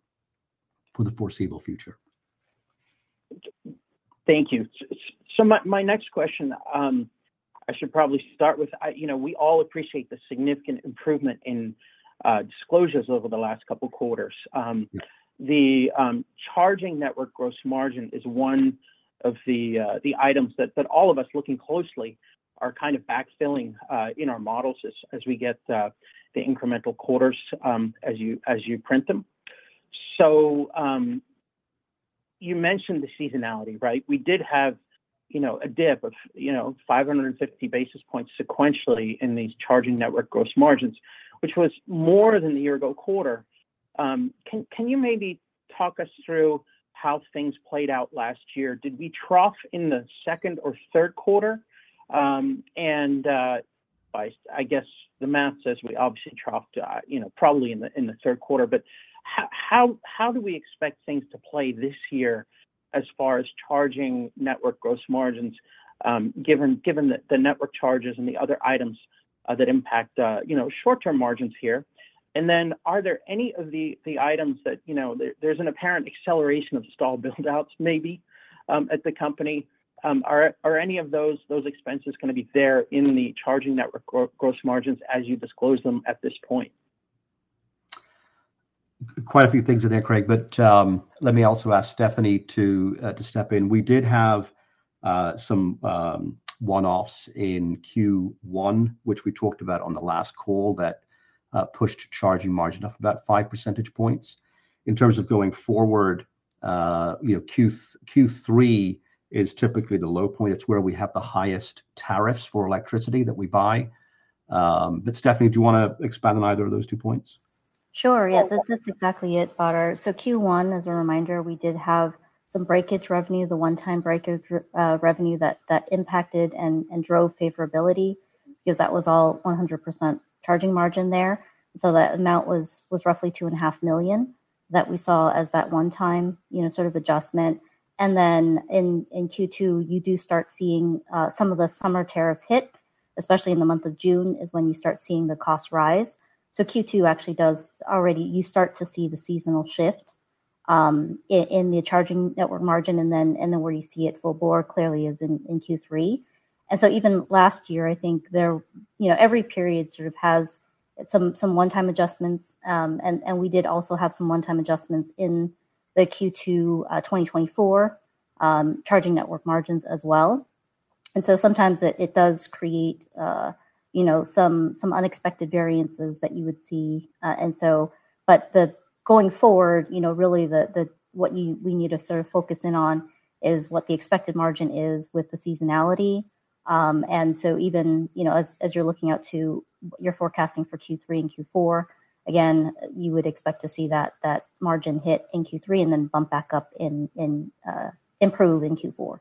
Speaker 3: for the foreseeable future.
Speaker 7: Thank you. So my next question, I should probably start with, we all appreciate the significant improvement in disclosures over the last couple of quarters. The charging network gross margin is one of the items that all of us looking closely are kind of backfilling in our models as we get the incremental quarters as you print them. So you mentioned the seasonality, right? We did have a dip of 550 basis points sequentially in these charging network gross margins, which was more than the year-ago quarter. Can you maybe talk us through how things played out last year? Did we trough in the second or third quarter? And I guess the math says we obviously troughed probably in the third quarter. But how do we expect things to play this year as far as charging network gross margins, given the network charges and the other items that impact short-term margins here? And then are there any of the items that there's an apparent acceleration of stall buildouts maybe at the company? Are any of those expenses going to be there in the charging network gross margins as you disclose them at this point?
Speaker 3: Quite a few things in there, Craig. But let me also ask Stephanie to step in. We did have some one-offs in Q1, which we talked about on the last call that pushed charging margin up about 5 percentage points. In terms of going forward, Q3 is typically the low point. It's where we have the highest tariffs for electricity that we buy. But Stephanie, do you want to expand on either of those two points?
Speaker 4: Sure. Yeah, that's exactly. So Q1, as a reminder, we did have some breakage revenue, the one-time breakage revenue that impacted and drove favorability because that was all 100% charging margin there. So that amount was roughly $2.5 million that we saw as that one-time sort of adjustment. And then in Q2, you do start seeing some of the summer tariffs hit, especially in the month of June is when you start seeing the cost rise. So, Q2 actually does already. You start to see the seasonal shift in the charging network margin. And then where you see it full bore clearly is in Q3. And so even last year, I think every period sort of has some one-time adjustments. And we did also have some one-time adjustments in the Q2 2024 charging network margins as well. And so sometimes it does create some unexpected variances that you would see. And so, but going forward, really what we need to sort of focus in on is what the expected margin is with the seasonality. And so even as you're looking out to your forecasting for Q3 and Q4, again, you would expect to see that margin hit in Q3 and then bump back up and improve in Q4.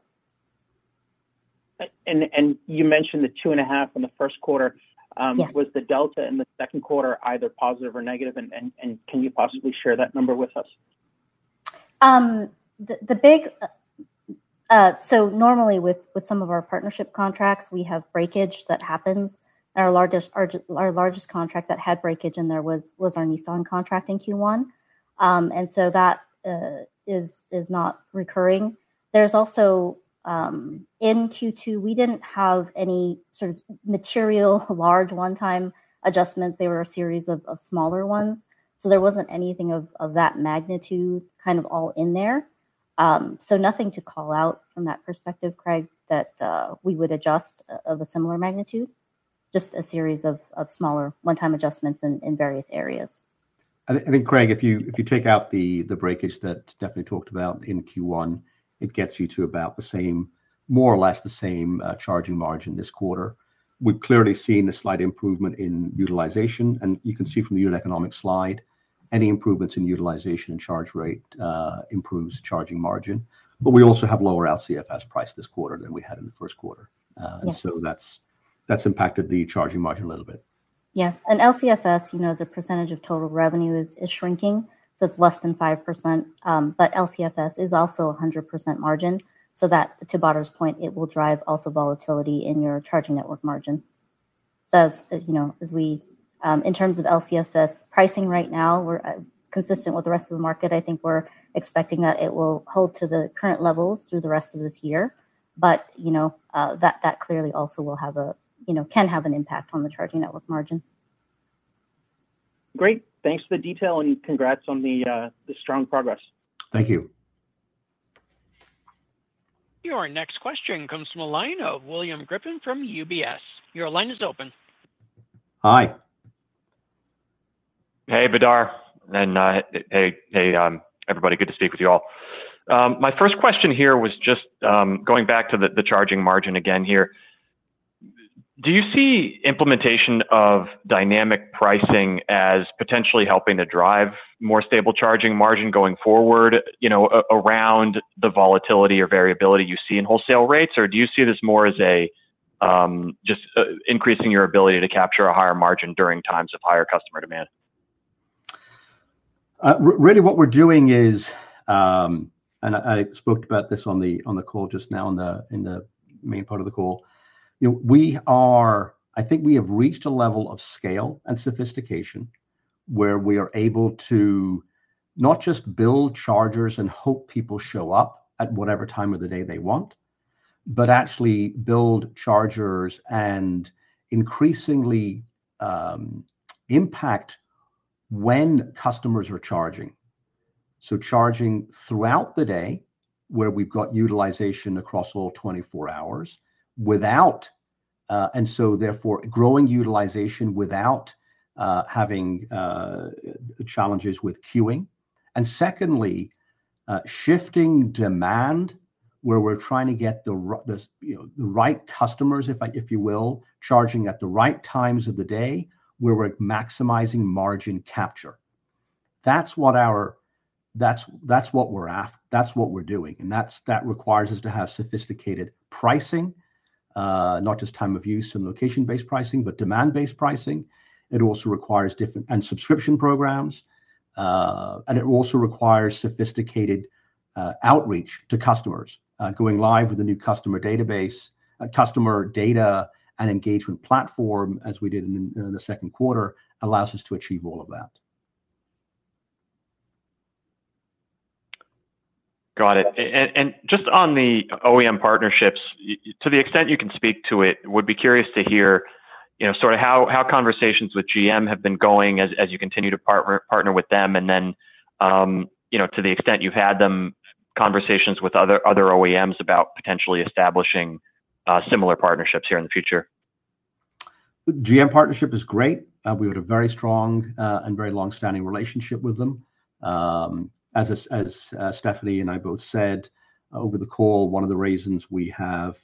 Speaker 7: And you mentioned the 2.5 in the first quarter. Was the delta in the second quarter either positive or negative? And can you possibly share that number with us?
Speaker 4: So normally with some of our partnership contracts, we have breakage that happens. Our largest contract that had breakage in there was our Nissan contract in Q1. And so that is not recurring. There's also in Q2, we didn't have any sort of material large one-time adjustments. They were a series of smaller ones. So there wasn't anything of that magnitude kind of all in there. So nothing to call out from that perspective, Craig, that we would adjust of a similar magnitude, just a series of smaller one-time adjustments in various areas.
Speaker 3: I think, Craig, if you take out the breakage that Stephanie talked about in Q1, it gets you to about the same, more or less the same charging margin this quarter. We've clearly seen a slight improvement in utilization. You can see from the unit economics slide, any improvements in utilization and charge rate improves charging margin. We also have lower LCFS price this quarter than we had in the first quarter. So that's impacted the charging margin a little bit.
Speaker 4: Yes. LCFS, as a percentage of total revenue, is shrinking. It's less than 5%. LCFS is also 100% margin. To Badar's point, it will drive also volatility in your charging network margin. As we're in terms of LCFS pricing right now, we're consistent with the rest of the market. I think we're expecting that it will hold to the current levels through the rest of this year. That clearly also will have, and can have, an impact on the charging network margin.
Speaker 7: Great. Thanks for the detail and congrats on the strong progress.
Speaker 3: Thank you.
Speaker 1: Your next question comes from a line of William Grippin from UBS. Your line is open.
Speaker 3: Hi.
Speaker 8: Hey, Badar. And hey, everybody. Good to speak with you all. My first question here was just going back to the charging margin again here. Do you see implementation of dynamic pricing as potentially helping to drive more stable charging margin going forward around the volatility or variability you see in wholesale rates? Or do you see this more as just increasing your ability to capture a higher margin during times of higher customer demand?
Speaker 3: Really, what we're doing is, and I spoke about this on the call just now in the main part of the call, we are, I think, we have reached a level of scale and sophistication where we are able to not just build chargers and hope people show up at whatever time of the day they want, but actually build chargers and increasingly impact when customers are charging. So charging throughout the day where we've got utilization across all 24 hours without and so therefore growing utilization without having challenges with queuing. And secondly, shifting demand where we're trying to get the right customers, if you will, charging at the right times of the day where we're maximizing margin capture. That's what we're doing. And that requires us to have sophisticated pricing, not just time of use and location-based pricing, but demand-based pricing. It also requires different and subscription programs. It also requires sophisticated outreach to customers. Going live with a new customer database, customer data, and engagement platform as we did in the second quarter allows us to achieve all of that.
Speaker 8: Got it. And just on the OEM partnerships, to the extent you can speak to it, would be curious to hear sort of how conversations with GM have been going as you continue to partner with them and then to the extent you've had them conversations with other OEMs about potentially establishing similar partnerships here in the future.
Speaker 3: GM partnership is great. We have a very strong and very long-standing relationship with them. As Stephanie and I both said over the call, one of the reasons we have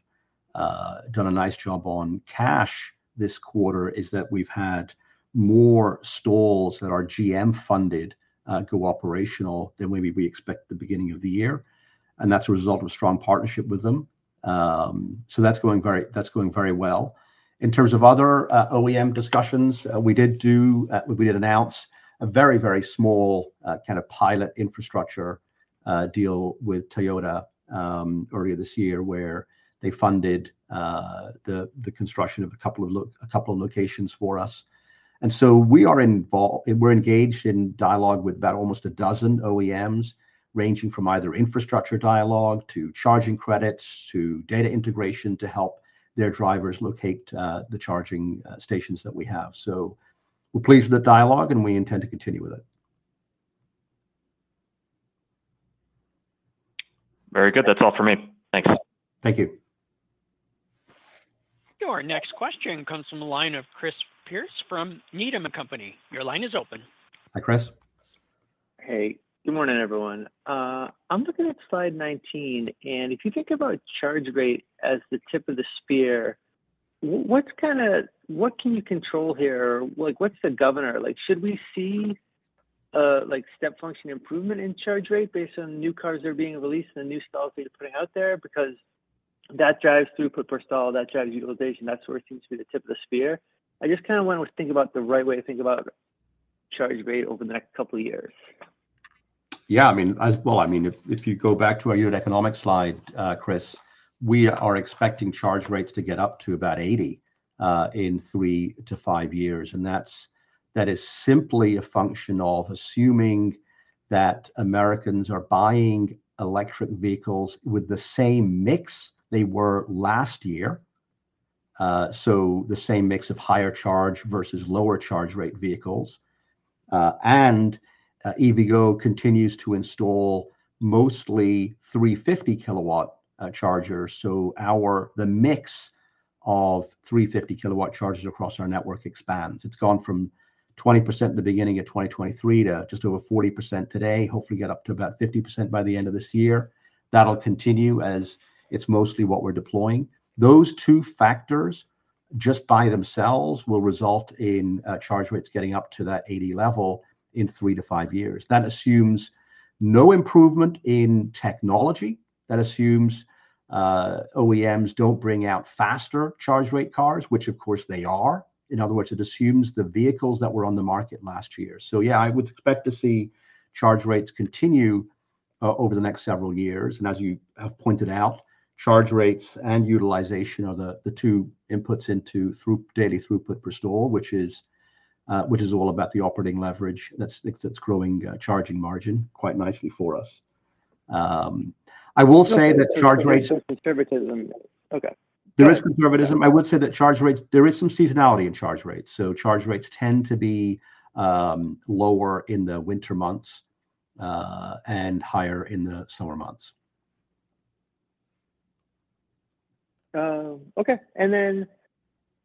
Speaker 3: done a nice job on cash this quarter is that we've had more stalls that are GM-funded go operational than maybe we expected the beginning of the year. And that's a result of a strong partnership with them. So that's going very well. In terms of other OEM discussions, we did announce a very, very small kind of pilot infrastructure deal with Toyota earlier this year where they funded the construction of a couple of locations for us. And so we are involved, we're engaged in dialogue with about almost a dozen OEMs ranging from either infrastructure dialogue to charging credits to data integration to help their drivers locate the charging stations that we have. So we're pleased with the dialogue and we intend to continue with it.
Speaker 8: Very good. That's all for me. Thanks.
Speaker 3: Thank you.
Speaker 1: Your next question comes from a line of Chris Pierce from Needham & Company. Your line is open.
Speaker 3: Hi, Chris.
Speaker 9: Hey. Good morning, everyone. I'm looking at Slide 19. And if you think about charge rate as the tip of the spear, what can you control here? What's the governor? Should we see step function improvement in charge rate based on new cars that are being released and the new stalls that you're putting out there? Because that drives throughput per stall, that drives utilization. That sort of seems to be the tip of the spear. I just kind of want to think about the right way to think about charge rate over the next couple of years.
Speaker 3: Yeah. Well, I mean, if you go back to our unit economic slide, Chris, we are expecting charge rates to get up to about 80 in three to five years. That is simply a function of assuming that Americans are buying electric vehicles with the same mix they were last year. The same mix of higher charge versus lower charge rate vehicles. EVgo continues to install mostly 350 kW chargers. The mix of 350 kW chargers across our network expands. It's gone from 20% at the beginning of 2023 to just over 40% today. Hopefully, get up to about 50% by the end of this year. That'll continue as it's mostly what we're deploying. Those two factors just by themselves will result in charge rates getting up to that 80 level in three to five years. That assumes no improvement in technology. That assumes OEMs don't bring out faster charge rate cars, which of course they are. In other words, it assumes the vehicles that were on the market last year. So yeah, I would expect to see charge rates continue over the next several years. And as you have pointed out, charge rates and utilization are the two inputs into daily throughput per stall, which is all about the operating leverage that's growing charging margin quite nicely for us. I will say that charge rates.
Speaker 9: There is conservatism. Okay.
Speaker 3: There is conservatism. I would say that charge rates, there is some seasonality in charge rates. So charge rates tend to be lower in the winter months and higher in the summer months.
Speaker 9: Okay. And then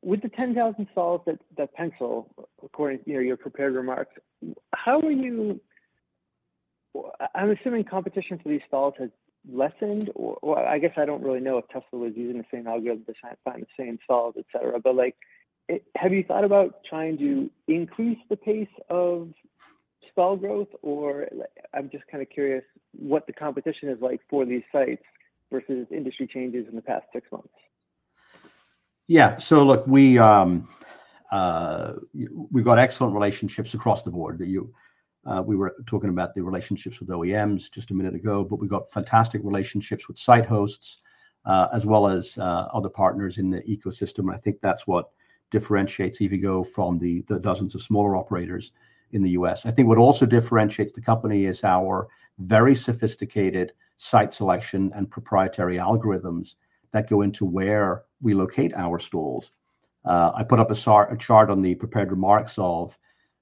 Speaker 9: with the 10,000 stalls that penciled, according to your prepared remarks, how are you? I'm assuming competition for these stalls has lessened. I guess I don't really know if Tesla was using the same algorithm to find the same stalls, etc. But have you thought about trying to increase the pace of stall growth? Or I'm just kind of curious what the competition is like for these sites versus industry changes in the past six months.
Speaker 3: Yeah. So look, we've got excellent relationships across the board. We were talking about the relationships with OEMs just a minute ago, but we've got fantastic relationships with site hosts as well as other partners in the ecosystem. And I think that's what differentiates EVgo from the dozens of smaller operators in the U.S. I think what also differentiates the company is our very sophisticated site selection and proprietary algorithms that go into where we locate our stalls. I put up a chart on the prepared remarks of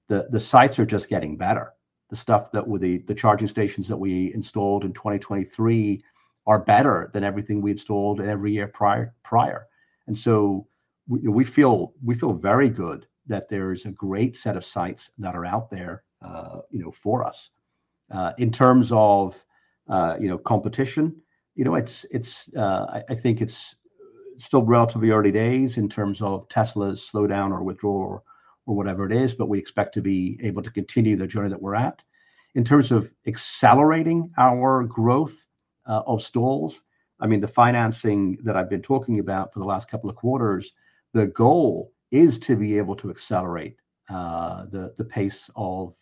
Speaker 3: the sites are just getting better. The stuff that were the charging stations that we installed in 2023 are better than everything we installed every year prior. We feel very good that there is a great set of sites that are out there for us. In terms of competition, I think it's still relatively early days in terms of Tesla's slowdown or withdrawal or whatever it is, but we expect to be able to continue the journey that we're at. In terms of accelerating our growth of stalls, I mean, the financing that I've been talking about for the last couple of quarters, the goal is to be able to accelerate the pace of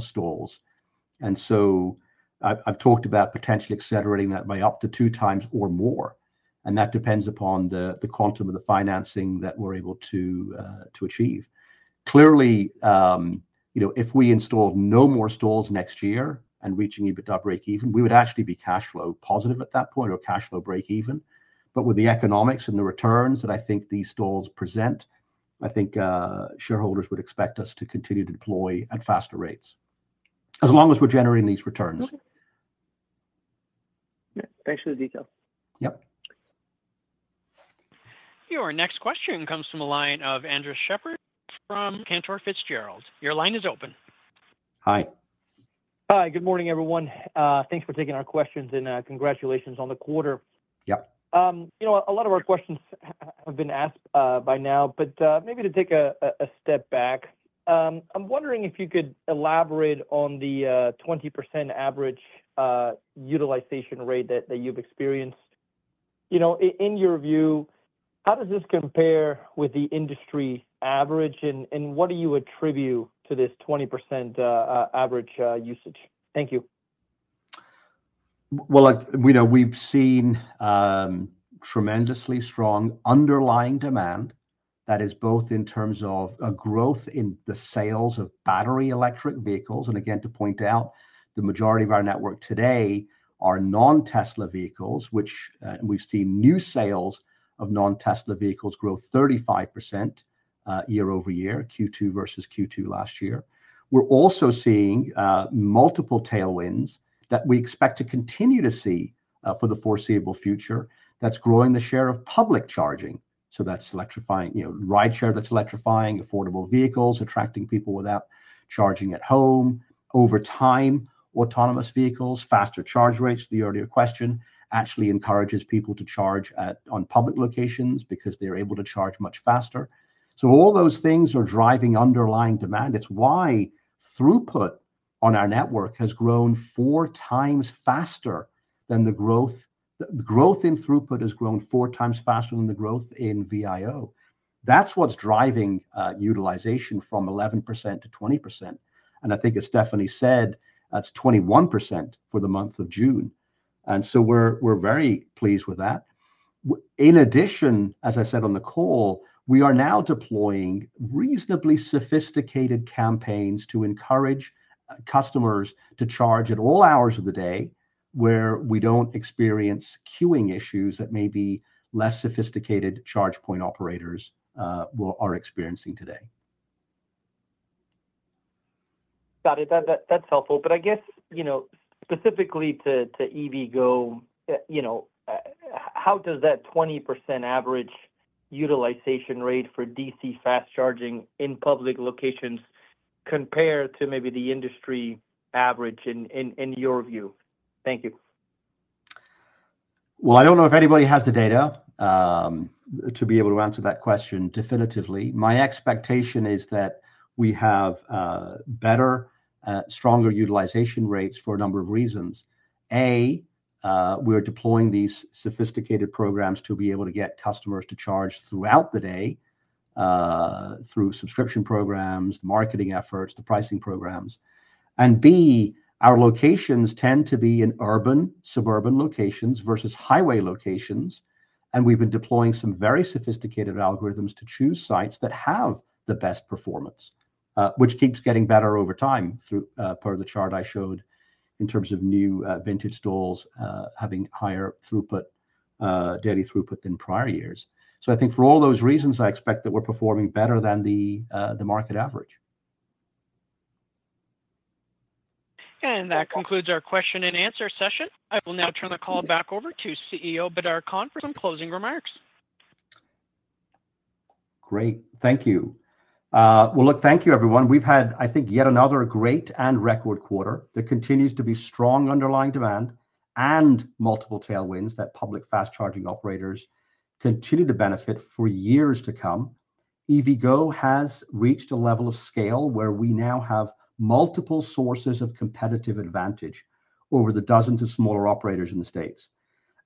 Speaker 3: stalls. I've talked about potentially accelerating that by up to two times or more. And that depends upon the quantum of the financing that we're able to achieve. Clearly, if we installed no more stalls next year and reaching EBITDA break-even, we would actually be cash flow positive at that point or cash flow break-even. But with the economics and the returns that I think these stalls present, I think shareholders would expect us to continue to deploy at faster rates as long as we're generating these returns.
Speaker 9: Thanks for the details.
Speaker 3: Yep.
Speaker 1: Your next question comes from a line of Andres Sheppard from Cantor Fitzgerald. Your line is open.
Speaker 3: Hi.
Speaker 10: Hi. Good morning, everyone. Thanks for taking our questions and congratulations on the quarter. Yep. A lot of our questions have been asked by now, but maybe to take a step back, I'm wondering if you could elaborate on the 20% average utilization rate that you've experienced. In your view, how does this compare with the industry average? And what do you attribute to this 20% average usage? Thank you.
Speaker 3: Well, we've seen tremendously strong underlying demand. That is both in terms of a growth in the sales of battery electric vehicles. And again, to point out, the majority of our network today are non-Tesla vehicles, which we've seen new sales of non-Tesla vehicles grow 35% year-over-year, Q2 versus Q2 last year. We're also seeing multiple tailwinds that we expect to continue to see for the foreseeable future. That's growing the share of public charging. So that's electrifying rideshare, that's electrifying affordable vehicles, attracting people without charging at home. Over time, autonomous vehicles, faster charge rates; the earlier question actually encourages people to charge on public locations because they're able to charge much faster. So all those things are driving underlying demand. It's why throughput on our network has grown four times faster than the growth. The growth in throughput has grown four times faster than the growth in VIO. That's what's driving utilization from 11%-20%. I think, as Stephanie said, that's 21% for the month of June. So we're very pleased with that. In addition, as I said on the call, we are now deploying reasonably sophisticated campaigns to encourage customers to charge at all hours of the day where we don't experience queuing issues that maybe less sophisticated charge point operators are experiencing today.
Speaker 10: Got it. That's helpful. But I guess specifically to EVgo, how does that 20% average utilization rate for DC fast charging in public locations compare to maybe the industry average in your view? Thank you.
Speaker 3: Well, I don't know if anybody has the data to be able to answer that question definitively. My expectation is that we have better, stronger utilization rates for a number of reasons. A, we're deploying these sophisticated programs to be able to get customers to charge throughout the day through subscription programs, the marketing efforts, the pricing programs. And B, our locations tend to be in urban, suburban locations versus highway locations. And we've been deploying some very sophisticated algorithms to choose sites that have the best performance, which keeps getting better over time per the chart I showed in terms of new vintage stalls having higher daily throughput than prior years. So I think for all those reasons, I expect that we're performing better than the market average.
Speaker 1: And that concludes our question and answer session. I will now turn the call back over to CEO Badar Khan for some closing remarks.
Speaker 3: Great. Thank you. Well, look, thank you, everyone. We've had, I think, yet another great and record quarter. There continues to be strong underlying demand and multiple tailwinds that public fast charging operators continue to benefit for years to come. EVgo has reached a level of scale where we now have multiple sources of competitive advantage over the dozens of smaller operators in the States.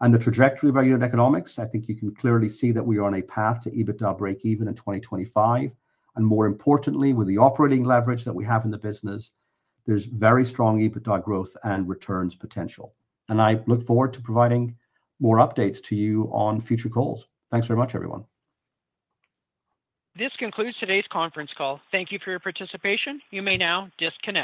Speaker 3: The trajectory of our unit economics, I think you can clearly see that we are on a path to EBITDA break-even in 2025. More importantly, with the operating leverage that we have in the business, there's very strong EBITDA growth and returns potential. I look forward to providing more updates to you on future calls. Thanks very much, everyone.
Speaker 1: This concludes today's conference call. Thank you for your participation. You may now disconnect.